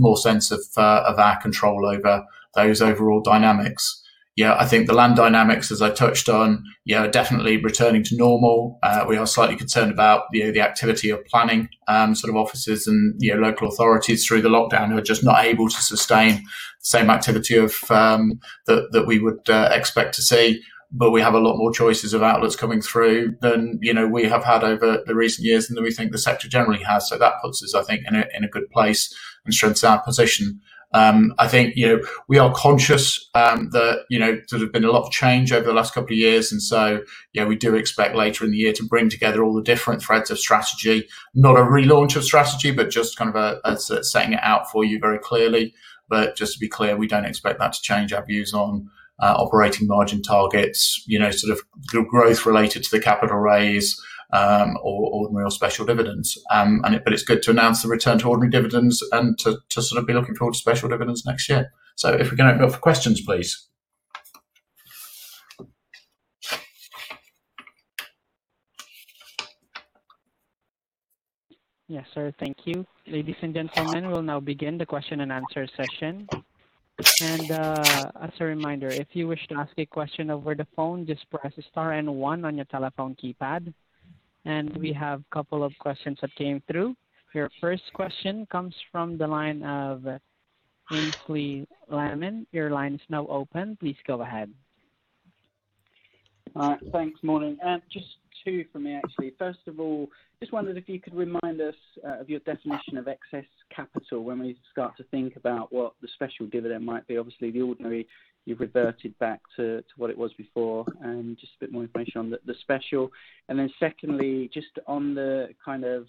more sense of our control over those overall dynamics. Yeah, I think the land dynamics, as I touched on, definitely returning to normal. We are slightly concerned about the activity of planning offices and local authorities through the lockdown who are just not able to sustain the same activity that we would expect to see. We have a lot more choices of outlets coming through than we have had over the recent years, and that we think the sector generally has. That puts us, I think, in a good place and strengthens our position. I think we are conscious that there have been a lot of change over the last couple of years, we do expect later in the year to bring together all the different threads of strategy. Not a relaunch of strategy, just kind of setting it out for you very clearly. Just to be clear, we don't expect that to change our views on operating margin targets, growth related to the capital raise, or ordinary or special dividends. It's good to announce the return to ordinary dividends and to sort of be looking forward to special dividends next year. If we can open it up for questions, please. Yes, sir. Thank you. Ladies and gentlemen, we'll now begin the question and answer session. As a reminder, if you wish to ask a question over the phone, just press star and one on your telephone keypad. We have a couple of questions that came through. Your first question comes from the line of Aynsley Lammin. Your line is now open. Please go ahead. All right. Thanks. Morning. Just two from me, actually. First of all, just wondered if you could remind us of your definition of excess capital when we start to think about what the special dividend might be. Obviously, the ordinary, you've reverted back to what it was before, just a bit more information on the special. Secondly, just on the kind of,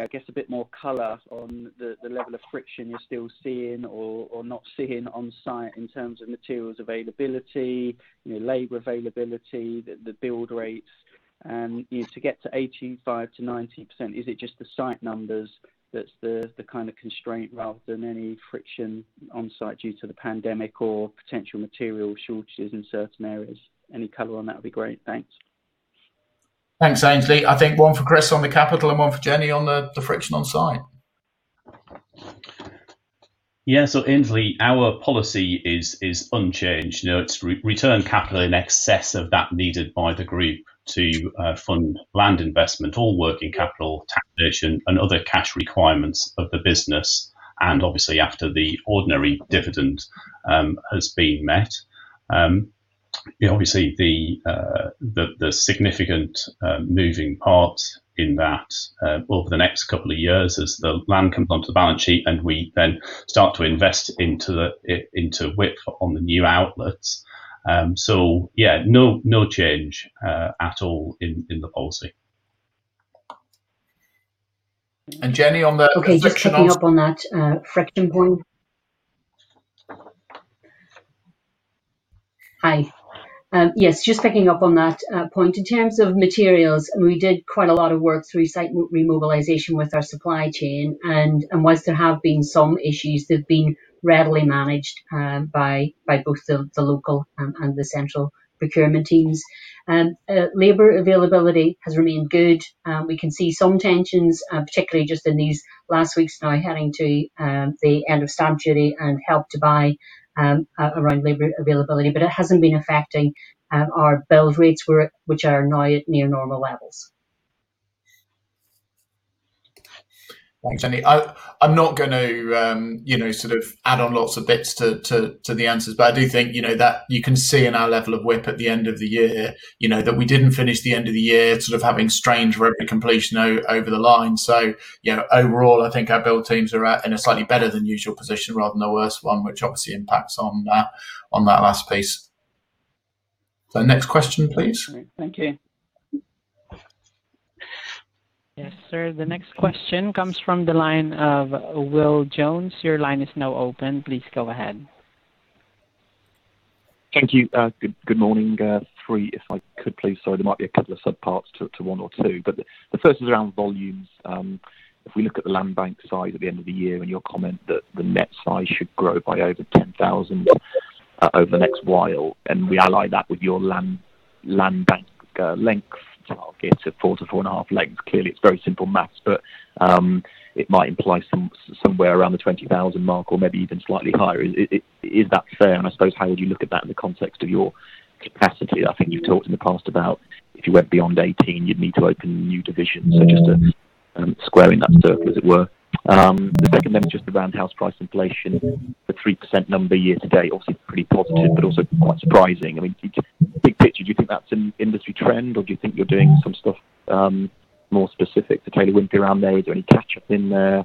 I guess, a bit more color on the level of friction you're still seeing or not seeing on site in terms of materials availability, labor availability, the build rates. To get to 85%-90%, is it just the site numbers that's the kind of constraint rather than any friction on site due to the pandemic or potential material shortages in certain areas? Any color on that would be great. Thanks. Thanks, Aynsley. I think one for Chris on the capital and one for Jennie on the friction on site. Yeah. Aynsley, our policy is unchanged. It's return capital in excess of that needed by the group to fund land investment or working capital, taxation, and other cash requirements of the business. Obviously, after the ordinary dividend has been met. Obviously, the significant moving parts in that over the next couple of years as the land comes onto the balance sheet and we then start to invest into WIP on the new outlets. Yeah, no change at all in the policy. Jennie, on the friction. Okay, just picking up on that friction point. Hi. Yes, just picking up on that point. In terms of materials, we did quite a lot of work through site remobilization with our supply chain. Whilst there have been some issues, they've been readily managed by both the local and the central procurement teams. Labor availability has remained good. We can see some tensions, particularly just in these last weeks now heading to the end of stamp duty and Help to Buy around labor availability, it hasn't been affecting our build rates which are now at near normal levels. Thanks, Jennie. I'm not going to sort of add on lots of bits to the answers, but I do think that you can see in our level of WIP at the end of the year, that we didn't finish the end of the year sort of having strange WIP completion over the line. Overall, I think our build teams are at in a slightly better than usual position rather than a worse one, which obviously impacts on that last piece. Next question, please. Thank you. Yes, sir. The next question comes from the line of Will Jones. Your line is now open. Please go ahead. Thank you. Good morning. Three, if I could, please. Sorry, there might be a couple of sub parts to one or two, but the first is around volumes. If we look at the land bank size at the end of the year and your comment that the net size should grow by over 10,000 over the next while, and we ally that with your land bank length target of four to four and a half length. Clearly, it's very simple math, but it might imply somewhere around the 20,000 mark or maybe even slightly higher. Is that fair? I suppose, how would you look at that in the context of your capacity? I think you've talked in the past about if you went beyond 18, you'd need to open new divisions. Just to square in that circle, as it were. The second is just around house price inflation. The 3% number year to date, obviously pretty positive, but also quite surprising. I mean, big picture, do you think that's an industry trend, or do you think you're doing some stuff more specific to Taylor Wimpey around there? Is there any catch-up in there?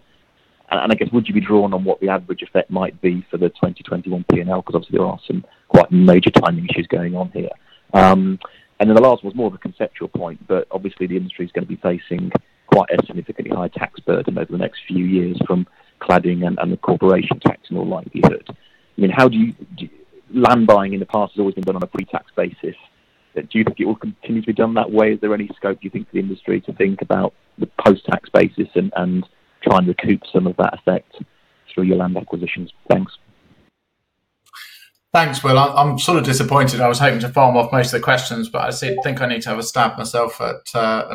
I guess, would you be drawn on what the average effect might be for the 2021 P&L? Because obviously, there are some quite major timing issues going on here. The last one is more of a conceptual point, but obviously the industry is going to be facing quite a significantly higher tax burden over the next few years from cladding and the corporation tax in all likelihood. I mean, land buying in the past has always been done on a pre-tax basis. Do you think it will continue to be done that way? Is there any scope, do you think, for the industry to think about the post-tax basis and try and recoup some of that effect through your land acquisitions? Thanks. Thanks, Will Jones. I'm sort of disappointed. I was hoping to farm off most of the questions, but I think I need to have a stab myself at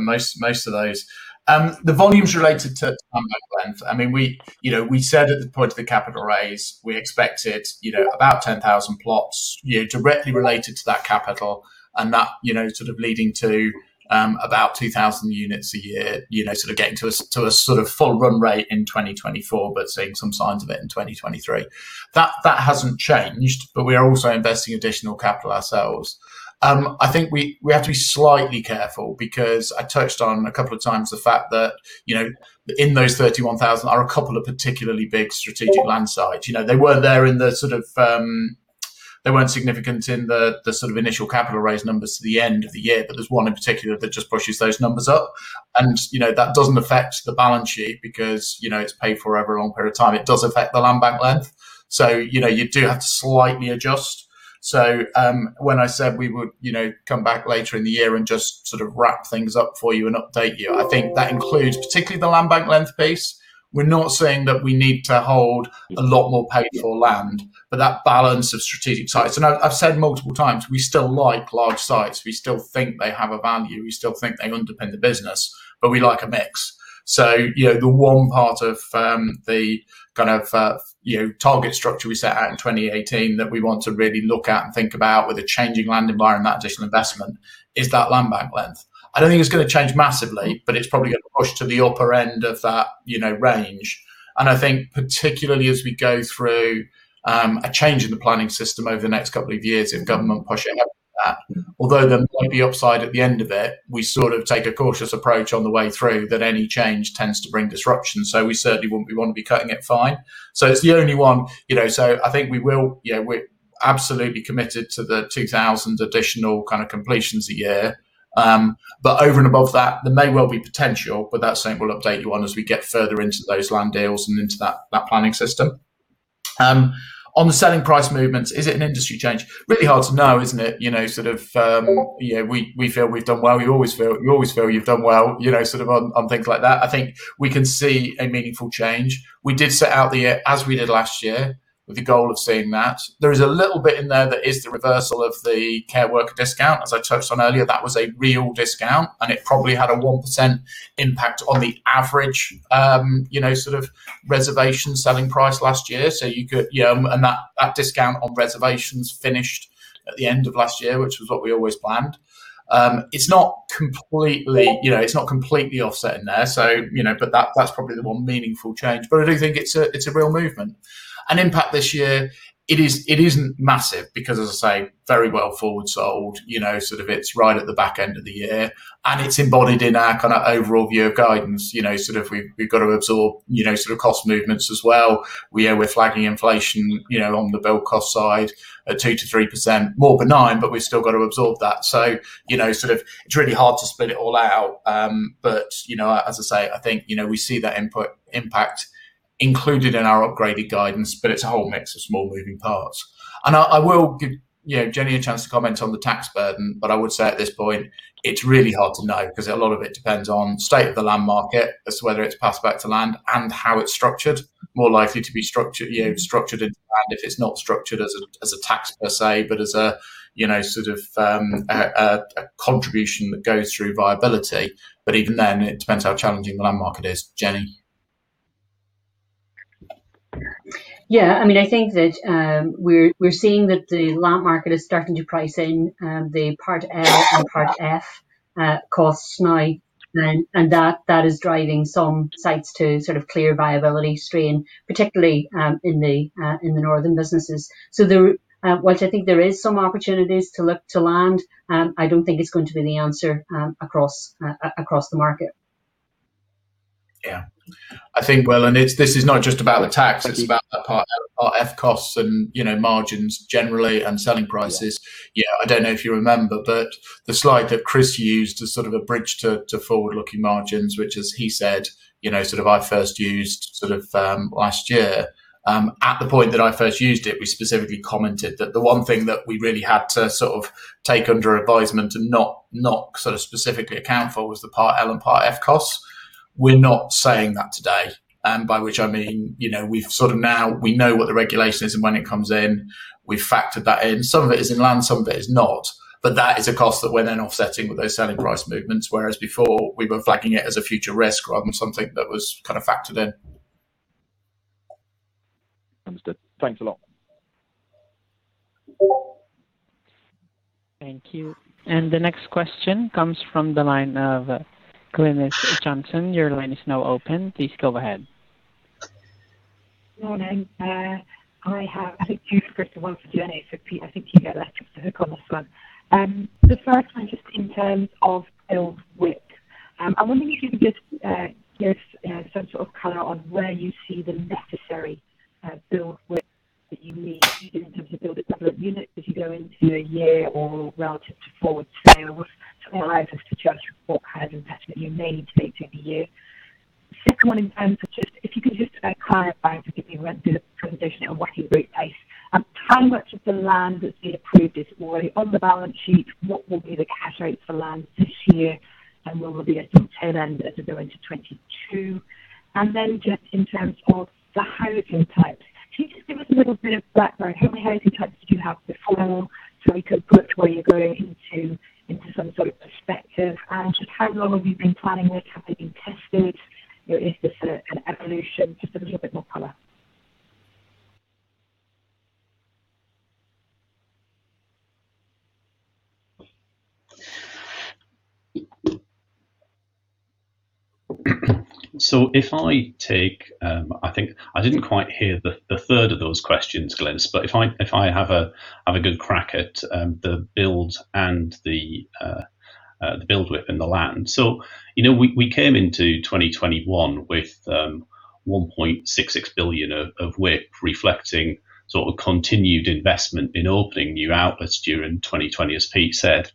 most of those. The volumes related to land bank length, I mean, we said at the point of the capital raise, we expected about 10,000 plots directly related to that capital and that sort of leading to about 2,000 units a year, sort of getting to a sort of full run rate in 2024, but seeing some signs of it in 2023. That hasn't changed, but we are also investing additional capital ourselves. I think we have to be slightly careful because I touched on a couple of times the fact that, in those 31,000 are a couple of particularly big strategic land sites. They weren't significant in the sort of initial capital raise numbers to the end of the year, but there's one in particular that just pushes those numbers up, and that doesn't affect the balance sheet because it's paid for over a long period of time. It does affect the land bank length. You do have to slightly adjust. When I said we would come back later in the year and just sort of wrap things up for you and update you, I think that includes particularly the land bank length piece. We're not saying that we need to hold a lot more paid for land, but that balance of strategic sites. I've said multiple times, we still like large sites. We still think they have a value. We still think they underpin the business, but we like a mix. The one part of the target structure we set out in 2018 that we want to really look at and think about with the changing land environment, that additional investment is that land bank length. I don't think it's going to change massively, but it's probably going to push to the upper end of that range. I think particularly as we go through a change in the planning system over the next couple of years, if government pushing up that, although there might be upside at the end of it, we sort of take a cautious approach on the way through that any change tends to bring disruption. We certainly wouldn't want to be cutting it fine. It's the only one. I think we're absolutely committed to the 2,000 additional kind of completions a year. Over and above that, there may well be potential, but that's something we'll update you on as we get further into those land deals and into that planning system. On the selling price movements, is it an industry change? Really hard to know, isn't it? We feel we've done well. You always feel you've done well on things like that. I think we can see a meaningful change. We did set out as we did last year with the goal of seeing that. There is a little bit in there that is the reversal of the care worker discount, as I touched on earlier. That was a real discount, and it probably had a 1% impact on the average reservation selling price last year. That discount on reservations finished at the end of last year, which was what we always planned. It's not completely offsetting there, but that's probably the one meaningful change. I do think it's a real movement. Impact this year, it isn't massive because as I say, very well forward sold. It's right at the back end of the year, and it's embodied in our kind of overall view of guidance. We've got to absorb cost movements as well. We're flagging inflation on the build cost side at 2%-3%, more benign, but we've still got to absorb that. It's really hard to split it all out. As I say, I think we see that impact included in our upgraded guidance, but it's a whole mix of small moving parts. I will give Jennie a chance to comment on the tax burden, but I would say at this point, it's really hard to know because a lot of it depends on state of the land market as to whether it's passed back to land and how it's structured, more likely to be structured into land if it's not structured as a tax per se, but as a contribution that goes through viability. Even then, it depends how challenging the land market is. Jennie? Yeah, I think that we're seeing that the land market is starting to price in the Part L and Part F costs now, and that is driving some sites to sort of clear viability strain, particularly in the northern businesses. Whilst I think there is some opportunities to look to land, I don't think it's going to be the answer across the market. Yeah. I think, well, this is not just about the tax, it's about the Part L, Part F costs and margins generally and selling prices. Yeah, I don't know if you remember, the slide that Chris used as sort of a bridge to forward-looking margins, which as he said, I first used last year. At the point that I first used it, we specifically commented that the one thing that we really had to sort of take under advisement and not sort of specifically account for was the Part L and Part F costs. We're not saying that today, by which I mean, we know what the regulation is and when it comes in. We've factored that in. Some of it is in land, some of it is not. That is a cost that we're then offsetting with those selling price movements. Whereas before, we were flagging it as a future risk rather than something that was kind of factored in. Understood. Thanks a lot. Thank you. The next question comes from the line of Glynis Johnson. Your line is now open. Please go ahead. Morning. I have, I think two for Chris and one for Jennie, so Pete, I think you get left off the hook on this one. The first one, just in terms of build WIP. I wonder if you could just give some sort of color on where you see the necessary build WIP that you need in terms of build it, deliver it units as you go into a year or relative to forward sales to allow us to judge what kind of investment you may need to make through the year. Second one in terms of just if you could just clarify, for me the vision on working group pace, how much of the land that's been approved is already on the balance sheet? What will be the cash rate for land this year, and where will be at some tail end as we go into 2022? Just in terms of the housing types, can you just give us a little bit of background, how many housing types did you have before, so we could put where you're going into some sort of perspective? How long have you been planning this? Have they been tested, or is this an evolution? Just a little bit more color. If I take, I think I didn't quite hear the third of those questions, Glynis, but if I have a good crack at the builds and the build WIP and the land. We came into 2021 with 1.66 billion of WIP reflecting sort of continued investment in opening new outlets during 2020, as Pete said.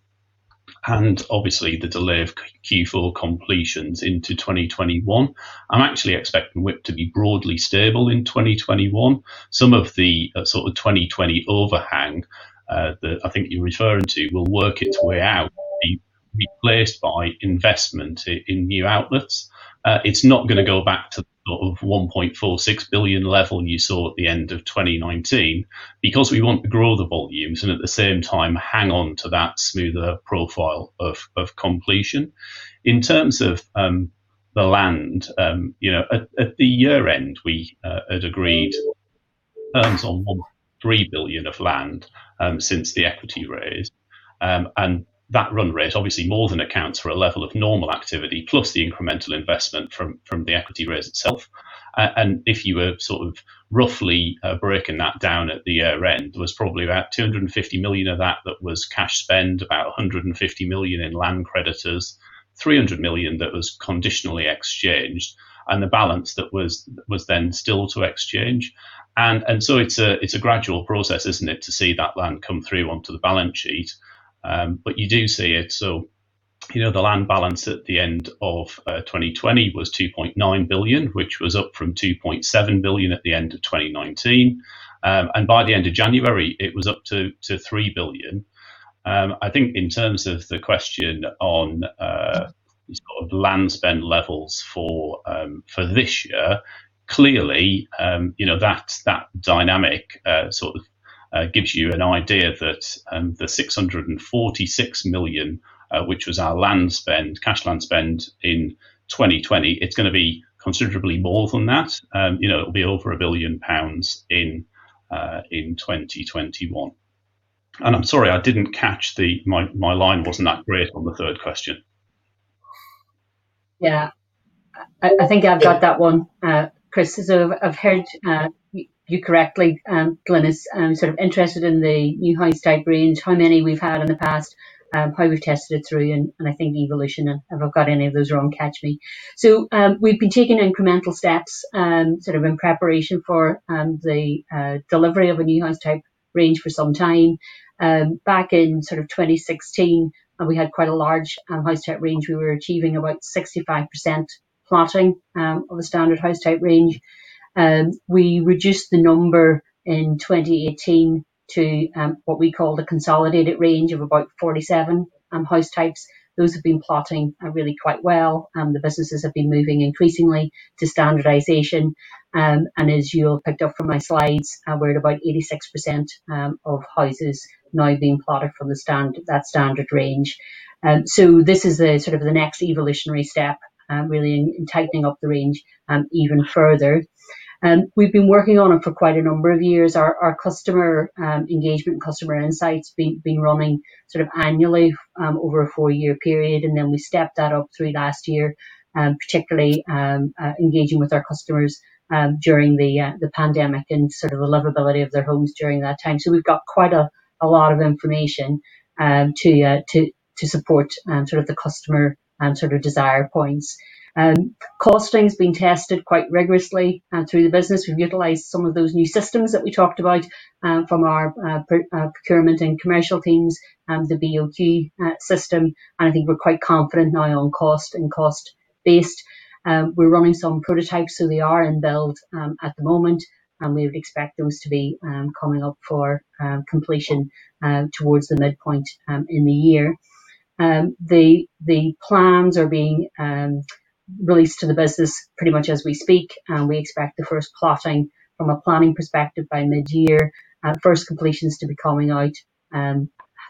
Obviously, the delay of Q4 completions into 2021. I'm actually expecting WIP to be broadly stable in 2021. Some of the sort of 2020 overhang that I think you're referring to will work its way out, be replaced by investment in new outlets. It's not going to go back to the sort of 1.46 billion level you saw at the end of 2019, because we want to grow the volumes and at the same time hang on to that smoother profile of completion. In terms of the land, at the year end, we had agreed terms on 3 billion of land since the equity raise. That run rate obviously more than accounts for a level of normal activity, plus the incremental investment from the equity raise itself. If you were sort of roughly breaking that down at the year end, there was probably about 250 million of that that was cash spend, about 150 million in land creditors, 300 million that was conditionally exchanged, and the balance that was then still to exchange. It's a gradual process, isn't it, to see that land come through onto the balance sheet. You do see it, so the land balance at the end of 2020 was 2.9 billion, which was up from 2.7 billion at the end of 2019. By the end of January, it was up to 3 billion. I think in terms of the question on sort of land spend levels for this year, clearly, that dynamic sort of gives you an idea that the 646 million, which was our cash land spend in 2020, it's going to be considerably more than that. It'll be over 1 billion pounds in 2021. I'm sorry, my line wasn't that great on the third question. Yeah. I think I've got that one, Chris. I've heard you correctly, Glynis, sort of interested in the new house type range, how many we've had in the past, how we've tested it through, and I think evolution, and if I've got any of those wrong, catch me. We've been taking incremental steps sort of in preparation for the delivery of a new house type range for some time. Back in sort of 2016, we had quite a large house type range. We were achieving about 65% plotting of the standard house type range. We reduced the number in 2018 to what we call the consolidated range of about 47 house types. Those have been plotting really quite well. The businesses have been moving increasingly to standardization. As you'll have picked up from my slides, we're at about 86% of houses now being plotted from that standard range. This is the sort of the next evolutionary step, really in tightening up the range even further. We've been working on it for quite a number of years. Our customer engagement and customer insights have been running sort of annually over a four-year period. We stepped that up through last year, particularly engaging with our customers during the pandemic and sort of the livability of their homes during that time. We've got quite a lot of information to support sort of the customer sort of desire points. Costing has been tested quite rigorously through the business. We've utilized some of those new systems that we talked about from our procurement and commercial teams, the BoQ system, and I think we're quite confident now on cost and cost-based. We're running some prototypes, so they are in build at the moment, and we would expect those to be coming up for completion towards the midpoint in the year. The plans are being released to the business pretty much as we speak. We expect the first plotting from a planning perspective by mid-year, first completions to be coming out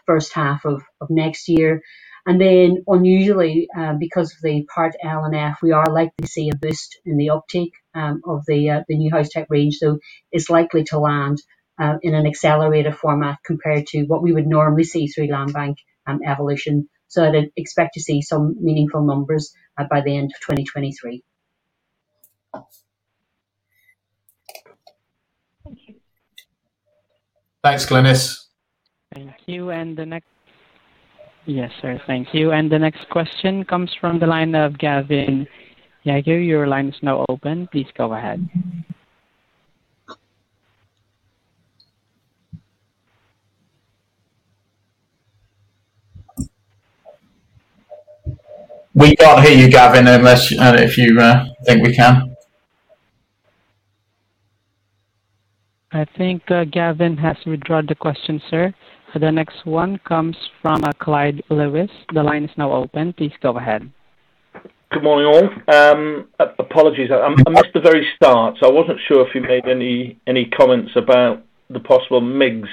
first half of next year. Unusually, because of the Part L and Part F, we are likely to see a boost in the uptake of the new house type range. It's likely to land in an accelerated format compared to what we would normally see through land bank evolution. I'd expect to see some meaningful numbers by the end of 2023. Thanks, Glynis. Thank you. Yes, sir. Thank you. The next question comes from the line of Gavin. Gavin, your line is now open. Please go ahead. We can't hear you, Gavin, unless if you think we can. I think Gavin has withdrawn the question, sir. The next one comes from Clyde Lewis. The line is now open. Please go ahead. Good morning, all. Apologies. I missed the very start. I wasn't sure if you made any comments about the possible MIGS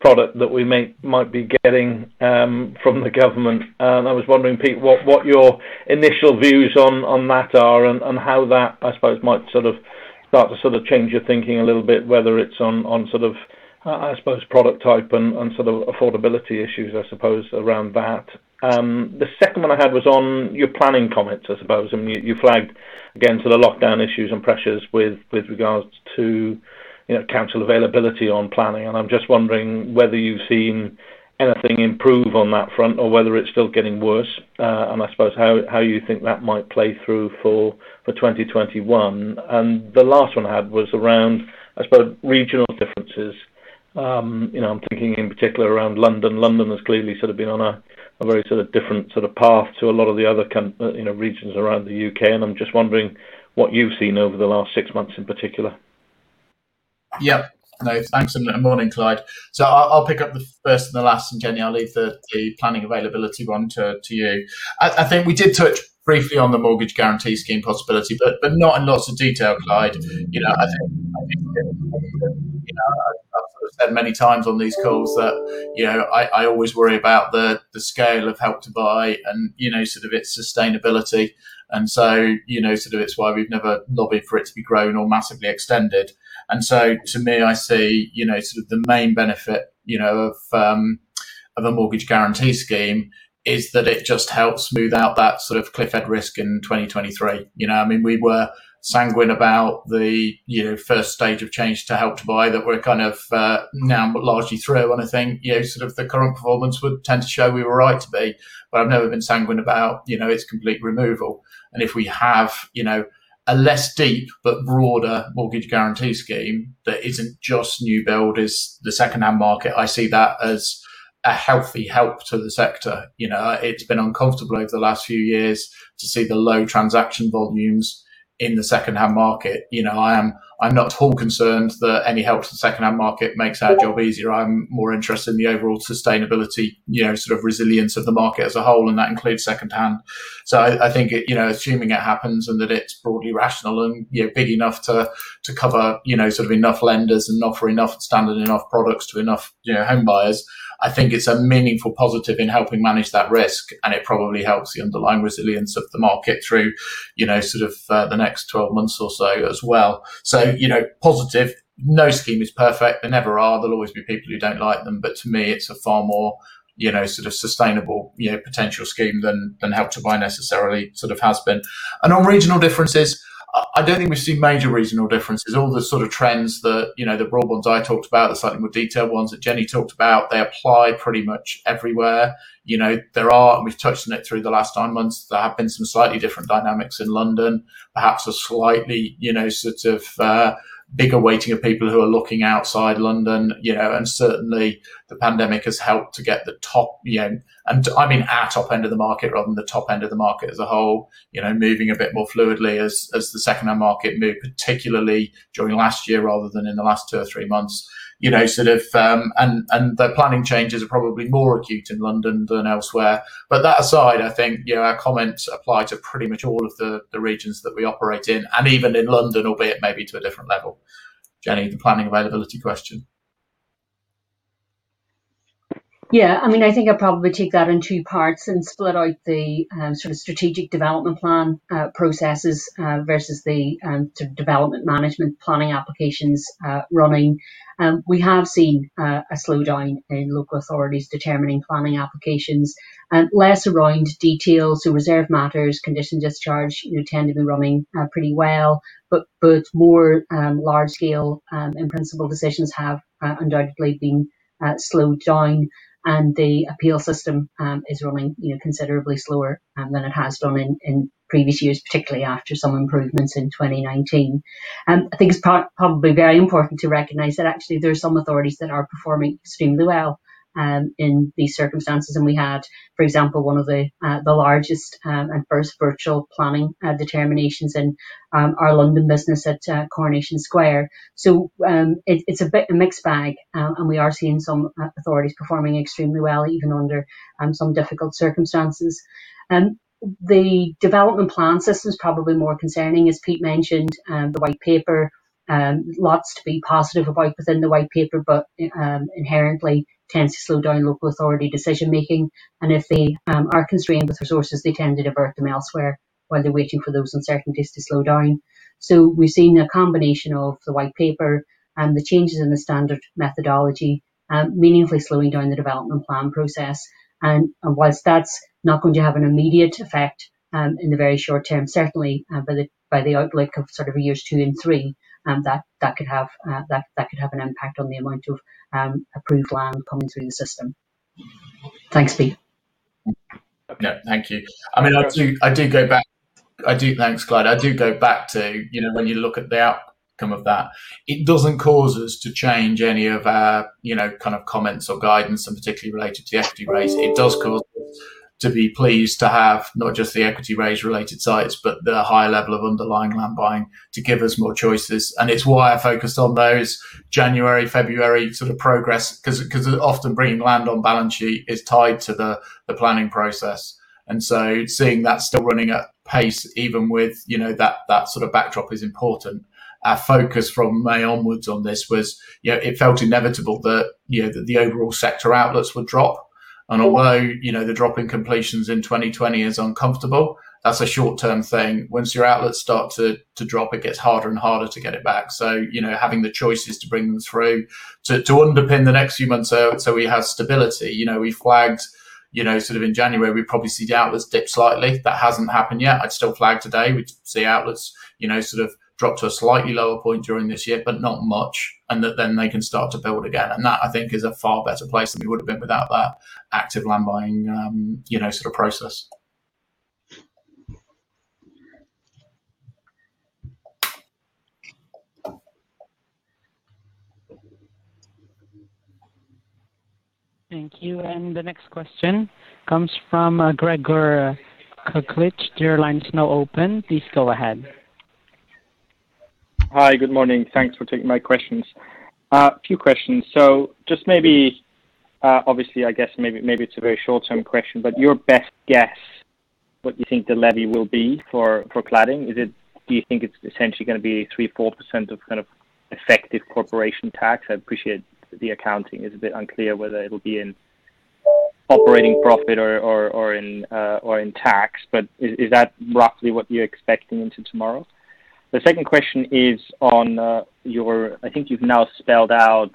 product that we might be getting from the government. I was wondering, Pete, what your initial views on that are and how that, I suppose, might sort of start to sort of change your thinking a little bit, whether it's on sort of, I suppose, product type and sort of affordability issues, I suppose, around that. The second one I had was on your planning comments, I suppose. You flagged again to the lockdown issues and pressures with regards to council availability on planning, and I'm just wondering whether you've seen anything improve on that front or whether it's still getting worse. I suppose, how you think that might play through for 2021. The last one I had was around, I suppose, regional differences. I'm thinking in particular around London. London has clearly sort of been on a very different sort of path to a lot of the other regions around the U.K. I'm just wondering what you've seen over the last six months in particular? Yep. No, thanks, and morning, Clyde. I'll pick up the first and the last, and Jennie, I'll leave the planning availability one to you. I think we did touch briefly on the Mortgage Guarantee Scheme possibility, but not in lots of detail, Clyde. I think, I've said many times on these calls that I always worry about the scale of Help to Buy and its sustainability and so, it's why we've never lobbied for it to be grown or massively extended. To me, I see, sort of the main benefit of a Mortgage Guarantee Scheme is that it just helps smooth out that sort of cliff edge risk in 2023. I mean, we were sanguine about the first stage of change to Help to Buy that we're kind of now largely through. I think, sort of the current performance would tend to show we were right to be, but I've never been sanguine about its complete removal. If we have a less deep but broader Mortgage Guarantee Scheme that isn't just new build, is the second-hand market, I see that as a healthy help to the sector. It's been uncomfortable over the last few years to see the low transaction volumes in the second-hand market. I'm not at all concerned that any help to the second-hand market makes our job easier. I'm more interested in the overall sustainability, sort of resilience of the market as a whole, and that includes second-hand. I think, assuming it happens and that it's broadly rational and big enough to cover sort of enough lenders and offer enough standard enough products to enough home buyers, I think it's a meaningful positive in helping manage that risk, and it probably helps the underlying resilience of the market through sort of the next 12 months or so as well. Positive. No scheme is perfect. They never are. There'll always be people who don't like them, but to me, it's a far more sort of sustainable potential scheme than Help to Buy necessarily sort of has been. On regional differences, I don't think we see major regional differences. All the sort of trends, the broad ones I talked about, the slightly more detailed ones that Jennie talked about, they apply pretty much everywhere. There are, and we've touched on it through the last nine months, there have been some slightly different dynamics in London. Perhaps a slightly sort of bigger weighting of people who are looking outside London, certainly the pandemic has helped to get the top. I mean our top end of the market rather than the top end of the market as a whole, moving a bit more fluidly as the second-hand market moved, particularly during last year rather than in the last two or three months. The planning changes are probably more acute in London than elsewhere. That aside, I think our comments apply to pretty much all of the regions that we operate in, and even in London, albeit maybe to a different level. Jennie, the planning availability question. I think I'll probably take that in two parts and split out the sort of strategic development plan processes versus the sort of development management planning applications running. We have seen a slowdown in local authorities determining planning applications. Less around details, so reserved matters, condition discharge tend to be running pretty well. More large scale, in principle decisions have undoubtedly been slowed down and the appeal system is running considerably slower than it has done in previous years, particularly after some improvements in 2019. I think it's probably very important to recognize that actually there are some authorities that are performing extremely well in these circumstances, and we had, for example, one of the largest and first virtual planning determinations in our London business at Coronation Square. It's a bit of a mixed bag, and we are seeing some authorities performing extremely well, even under some difficult circumstances. The development plan system is probably more concerning, as Pete mentioned, the white paper. Lots to be positive about within the white paper, but inherently tends to slow down local authority decision making. If they are constrained with resources, they tend to divert them elsewhere while they're waiting for those uncertainties to slow down. We've seen a combination of the white paper and the changes in the standard methodology meaningfully slowing down the development plan process. Whilst that's not going to have an immediate effect in the very short term, certainly by the outlook of sort of years two and three, that could have an impact on the amount of approved land coming through the system. Thanks, Pete. No, thank you. Thanks, Clyde. I do go back to when you look at the outcome of that, it doesn't cause us to change any of our kind of comments or guidance and particularly related to the equity raise. It does cause us to be pleased to have not just the equity raise related sites, but the high level of underlying land buying to give us more choices. It's why I focused on those January, February sort of progress because often bringing land on balance sheet is tied to the planning process. Seeing that still running at pace even with that sort of backdrop is important. Our focus from May onwards on this was, it felt inevitable that the overall sector outlets would drop. Although the drop in completions in 2020 is uncomfortable, that's a short-term thing. Once your outlets start to drop, it gets harder and harder to get it back. Having the choices to bring them through to underpin the next few months so we have stability. We flagged sort of in January we probably see the outlets dip slightly. That hasn't happened yet. I'd still flag today we see outlets sort of drop to a slightly lower point during this year, but not much, and that then they can start to build again. That I think is a far better place than we would have been without that active land buying sort of process. Thank you. The next question comes from Gregor Kuglitsch. Your line is now open. Please go ahead. Hi. Good morning. Thanks for taking my questions. A few questions. Just maybe, obviously, I guess maybe it's a very short-term question, but your best guess, what you think the levy will be for cladding. Do you think it's essentially going to be 3% or 4% of kind of effective corporation tax? I appreciate the accounting is a bit unclear whether it'll be in operating profit or in tax, but is that roughly what you're expecting into tomorrow? The second question is on your, I think you've now spelled out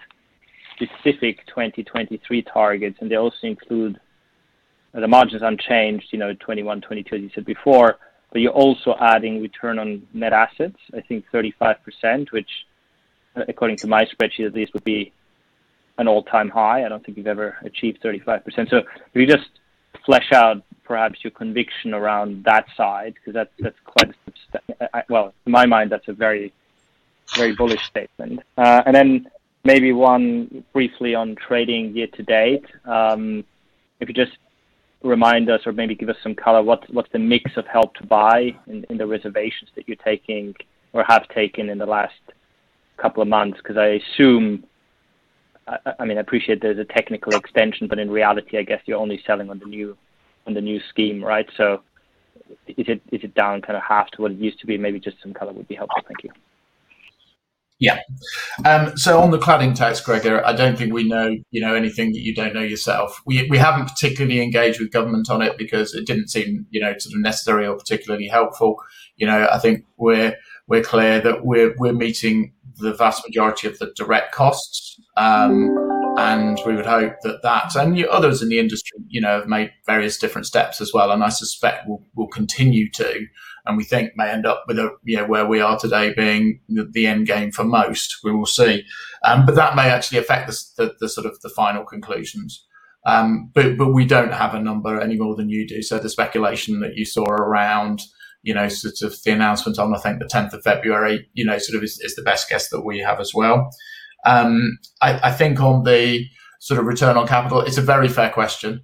specific 2023 targets, and they also include the margins unchanged, 2021, 2022, you said before, but you're also adding return on net assets, I think 35%, which, according to my spreadsheet at least, would be an all-time high. I don't think you've ever achieved 35%. If you just flesh out perhaps your conviction around that side, Well, in my mind, that's a very bullish statement. Maybe one briefly on trading year to date. If you just remind us or maybe give us some color, what's the mix of Help to Buy in the reservations that you're taking or have taken in the last couple of months? I assume, I appreciate there's a technical extension, but in reality, I guess you're only selling on the new scheme, right? Is it down kind of half to what it used to be? Maybe just some color would be helpful. Thank you. Yeah. On the cladding tax, Gregor, I don't think we know anything that you don't know yourself. We haven't particularly engaged with government on it because it didn't seem necessary or particularly helpful. I think we're clear that we're meeting the vast majority of the direct costs, and we would hope that that and others in the industry have made various different steps as well, and I suspect will continue to, and we think may end up with where we are today being the end game for most. We will see. That may actually affect the sort of the final conclusions. We don't have a number any more than you do. The speculation that you saw around sort of the announcement on, I think, the 10th of February is the best guess that we have as well. I think on the sort of return on capital, it's a very fair question.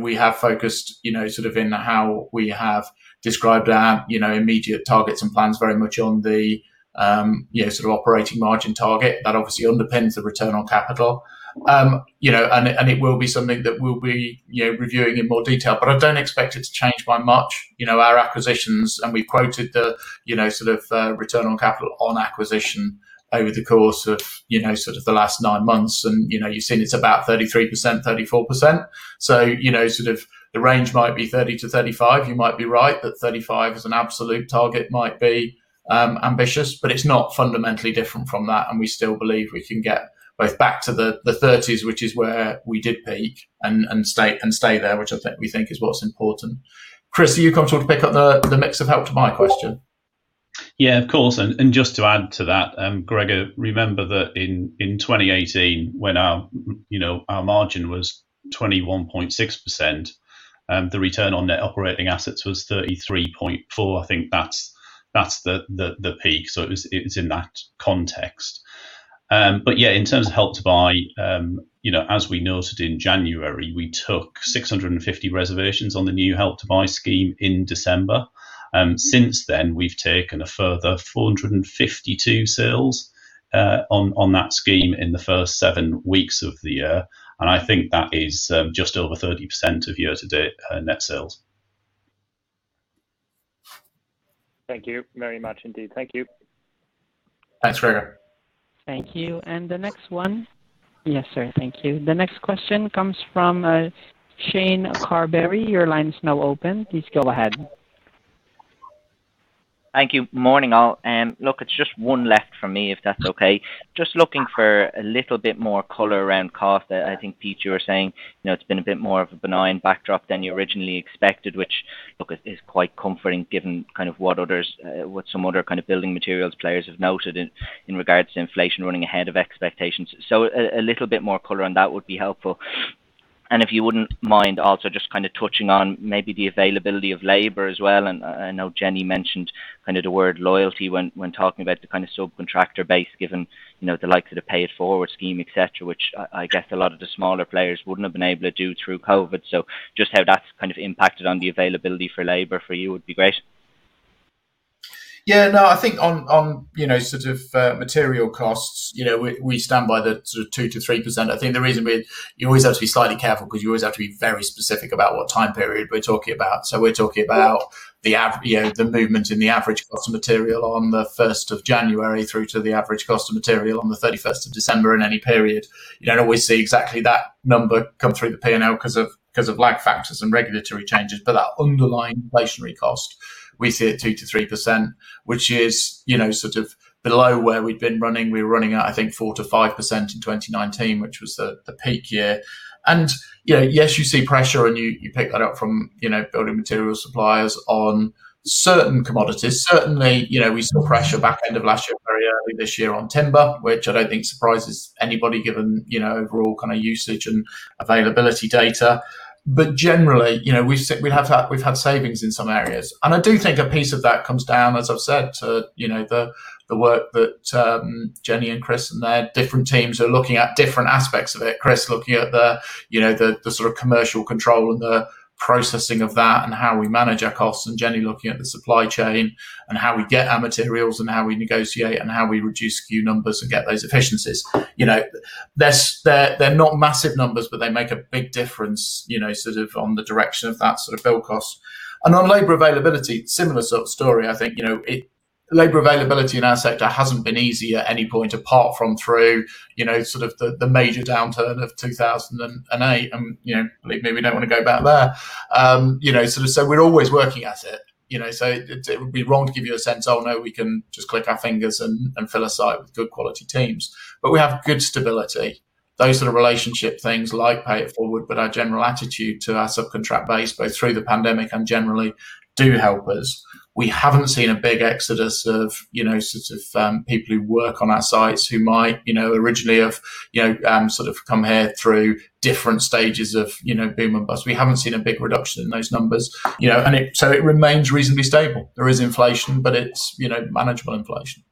We have focused sort of in how we have described our immediate targets and plans very much on the sort of operating margin target. That obviously underpins the return on capital. It will be something that we'll be reviewing in more detail. I don't expect it to change by much our acquisitions, and we quoted the sort of return on capital on acquisition over the course of sort of the last nine months, and you've seen it's about 33%, 34%. The sort of the range might be 30%-35%. You might be right that 35% as an absolute target might be ambitious, but it's not fundamentally different from that, and we still believe we can get both back to the 30%s, which is where we did peak, and stay there, which I think we think is what's important. Chris, are you comfortable to pick up the mix of Help to Buy question? Yeah, of course. Just to add to that, Gregor, remember that in 2018, when our margin was 21.6%, the return on net operating assets was 33.4%. I think that's the peak. It was in that context. Yeah, in terms of Help to Buy, as we noted in January, we took 650 reservations on the new Help to Buy scheme in December. Since then, we've taken a further 452 sales on that scheme in the first seven weeks of the year, and I think that is just over 30% of year to date net sales. Thank you very much indeed. Thank you. Thanks, Gregor. Thank you. The next one. Yes, sir. Thank you. The next question comes from Shane Carberry. Your line is now open. Please go ahead. Thank you. Morning, all. It's just one left for me, if that's okay. Just looking for a little bit more color around cost. I think, Pete, you were saying, it's been a bit more of a benign backdrop than you originally expected, which, look, is quite comforting given kind of what some other kind of building materials players have noted in regards to inflation running ahead of expectations. A little bit more color on that would be helpful. If you wouldn't mind also just kind of touching on maybe the availability of labor as well, and I know Jennie mentioned kind of the word loyalty when talking about the kind of subcontractor base given the likes of the Pay It Forward scheme, et cetera, which I guess a lot of the smaller players wouldn't have been able to do through COVID. Just how that's kind of impacted on the availability for labor for you would be great. Yeah. No, I think on sort of material costs, we stand by the sort of 2%-3%. I think the reason being you always have to be slightly careful because you always have to be very specific about what time period we're talking about. We're talking about the movement in the average cost of material on the 1st of January through to the average cost of material on the 31st of December in any period. You don't always see exactly that number come through the P&L because of lag factors and regulatory changes. That underlying inflationary cost, we see at 2%-3%, which is sort of below where we'd been running. We were running at, I think, 4%-5% in 2019, which was the peak year. Yes, you see pressure and you pick that up from building material suppliers on certain commodities. Certainly, we saw pressure backend of last year, very early this year on timber, which I don't think surprises anybody given overall kind of usage and availability data. Generally, we've had savings in some areas. I do think a piece of that comes down, as I've said, to the work that Jennie and Chris and their different teams are looking at different aspects of it. Chris looking at the sort of commercial control and the processing of that and how we manage our costs, and Jennie looking at the supply chain and how we get our materials and how we negotiate and how we reduce SKU numbers and get those efficiencies. They're not massive numbers, but they make a big difference sort of on the direction of that sort of build cost. On labor availability, similar sort of story. Labor availability in our sector hasn't been easy at any point apart from through the major downturn of 2008, and believe me, we don't want to go back there. We're always working at it. It would be wrong to give you a sense, "Oh, no, we can just click our fingers and fill a site with good quality teams." We have good stability. Those sort of relationship things like Pay It Forward, but our general attitude to our subcontract base, both through the pandemic and generally, do help us. We haven't seen a big exodus of people who work on our sites who might originally have come here through different stages of boom and bust. We haven't seen a big reduction in those numbers. It remains reasonably stable. There is inflation, but it's manageable inflation.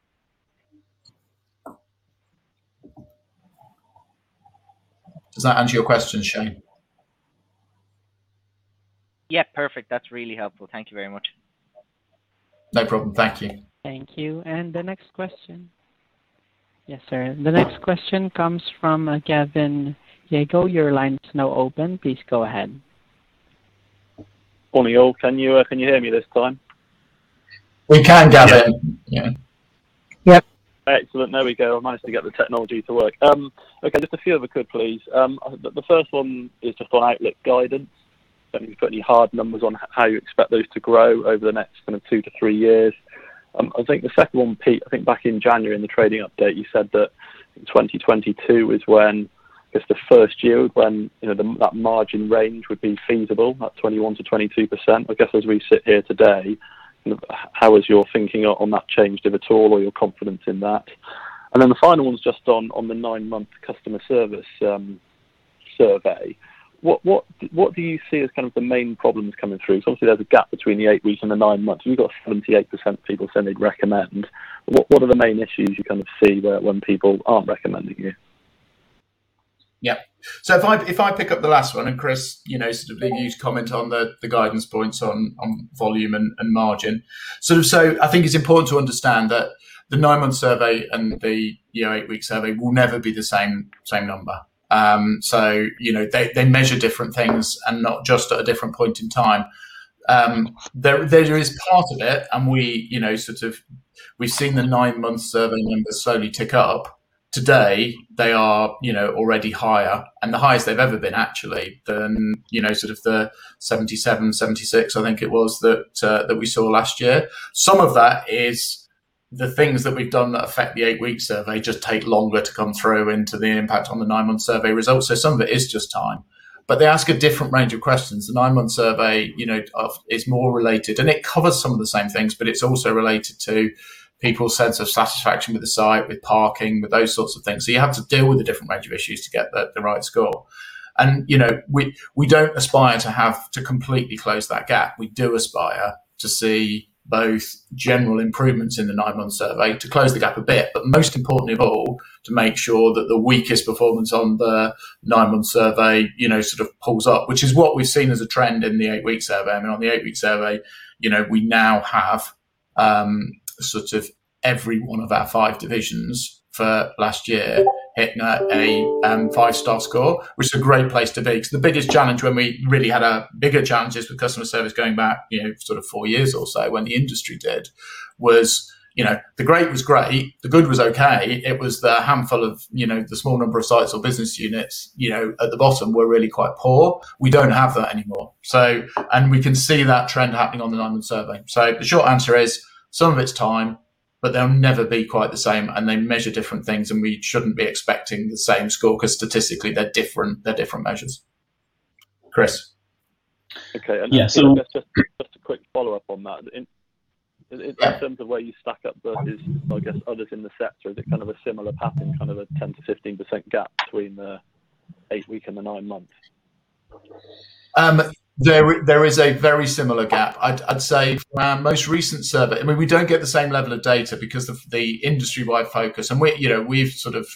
Does that answer your question, Shane? Yeah, perfect. That's really helpful. Thank you very much. No problem. Thank you. Thank you. The next question. Yes, sir. The next question comes from Gavin Jago Your line is now open. Please go ahead. Morning all. Can you hear me this time? We can, Gavin. Yeah, yeah. Yeah. Excellent. There we go. I managed to get the technology to work. Okay, just a few if I could, please. The first one is just on outlet guidance. Don't know if you can put any hard numbers on how you expect those to grow over the next two to three years. I think the second one, Pete, I think back in January in the trading update, you said that 2022 is when, is the first year when that margin range would be feasible, that 21%-22%. I guess as we sit here today, how has your thinking on that changed, if at all, or your confidence in that? The final one is just on the nine-month customer service survey. What do you see as kind of the main problems coming through? Because obviously there's a gap between the eight week and the nine months. You've got 78% of people saying they'd recommend. What are the main issues you kind of see when people aren't recommending you? Yeah. If I pick up the last one, and Chris, sort of leave you to comment on the guidance points on volume and margin. I think it's important to understand that the nine-month survey and the eight-week survey will never be the same number. They measure different things and not just at a different point in time. There is part of it and we've seen the nine-month survey numbers slowly tick up. Today, they are already higher and the highest they've ever been, actually, than the 77, 76, I think it was, that we saw last year. Some of that is the things that we've done that affect the eight-week survey just take longer to come through into the impact on the nine-month survey results. Some of it is just time. They ask a different range of questions. The nine-month survey is more related and it covers some of the same things, but it's also related to people's sense of satisfaction with the site, with parking, with those sorts of things. You have to deal with a different range of issues to get the right score. We don't aspire to have to completely close that gap. We do aspire to see both general improvements in the nine-month survey to close the gap a bit, but most importantly of all, to make sure that the weakest performance on the nine-month survey sort of pulls up, which is what we've seen as a trend in the eight-week survey. I mean, on the eight-week survey, we now have sort of every one of our five divisions for last year hitting a five-star score, which is a great place to be, because the biggest challenge when we really had our bigger challenges with customer service going back sort of four years or so when the industry did was the great was great, the good was okay, it was the handful of the small number of sites or business units at the bottom were really quite poor. We don't have that anymore. We can see that trend happening on the nine-month survey. The short answer is, some of it's time, but they'll never be quite the same and they measure different things and we shouldn't be expecting the same score because statistically they're different measures. Chris. Okay. Just a quick follow-up on that. In terms of where you stack up versus, I guess, others in the sector, is it kind of a similar pattern, kind of a 10%-15% gap between the eight week and the nine months? There is a very similar gap. I'd say from our most recent survey, we don't get the same level of data because of the industry-wide focus. We've sort of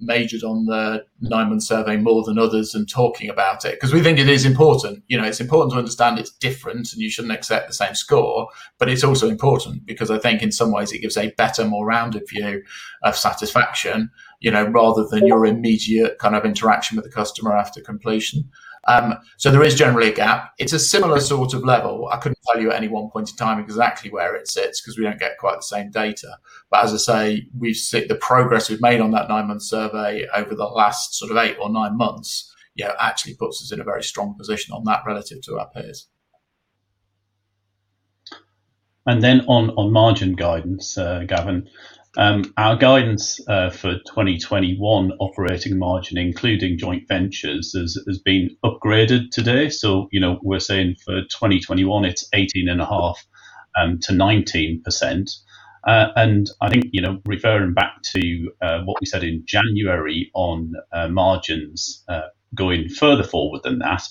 majored on the nine-month survey more than others and talking about it because we think it is important. It's important to understand it's different and you shouldn't accept the same score. It's also important because I think in some ways it gives a better, more rounded view of satisfaction rather than your immediate kind of interaction with the customer after completion. There is generally a gap. It's a similar sort of level. I couldn't tell you at any one point in time exactly where it sits because we don't get quite the same data. As I say, we see the progress we've made on that nine-month survey over the last sort of eight or nine months actually puts us in a very strong position on that relative to our peers. On margin guidance, Gavin. Our guidance for 2021 operating margin, including joint ventures, has been upgraded today. We're saying for 2021 it's 18.5%-19%. I think, referring back to what we said in January on margins going further forward than that,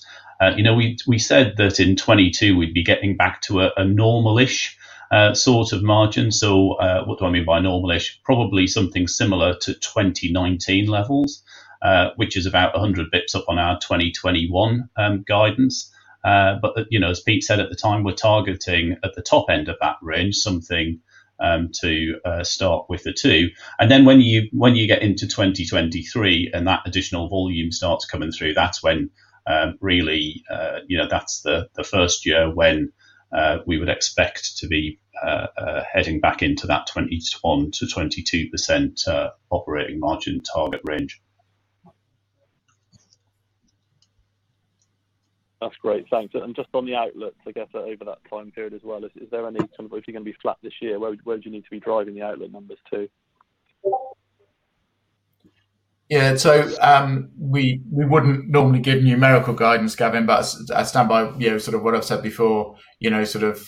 we said that in 2022 we'd be getting back to a normal-ish sort of margin. What do I mean by normal-ish? Probably something similar to 2019 levels, which is about 100 basis points up on our 2021 guidance. As Pete said at the time, we're targeting at the top end of that range, something to start with the two. When you get into 2023 and that additional volume starts coming through, that's when really that's the first year when we would expect to be heading back into that 21%-22% operating margin target range. That's great. Thanks. Just on the outlook, I guess over that time period as well, is there any kind of, if you're going to be flat this year, where do you need to be driving the outlet numbers to? Yeah. We wouldn't normally give numerical guidance, Gavin, but I stand by what I've said before, sort of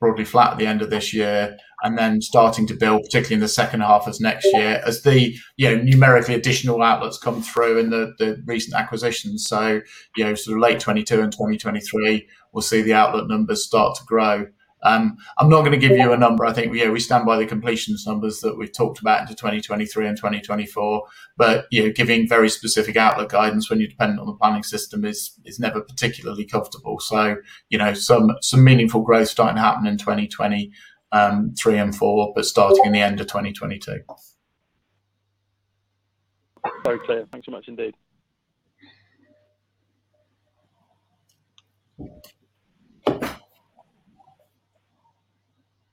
broadly flat at the end of this year and then starting to build particularly in the second half as next year as the numerically additional outlets come through in the recent acquisitions. Sort of late 2022 and 2023, we'll see the outlet numbers start to grow. I'm not going to give you a number. I think we stand by the completions numbers that we've talked about into 2023 and 2024. Giving very specific outlet guidance when you're dependent on the planning system is never particularly comfortable. Some meaningful growth starting to happen in 2023 and 2024, but starting in the end of 2022. Very clear. Thanks so much indeed.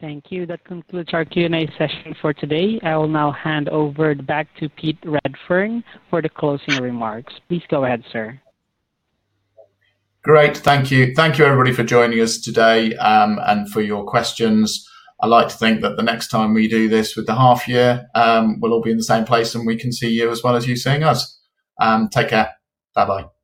Thank you. That concludes our Q&A session for today. I will now hand over back to Pete Redfern for the closing remarks. Please go ahead, sir. Great. Thank you. Thank you everybody for joining us today, and for your questions. I like to think that the next time we do this with the half year, we will all be in the same place and we can see you as well as you seeing us. Take care. Bye-bye.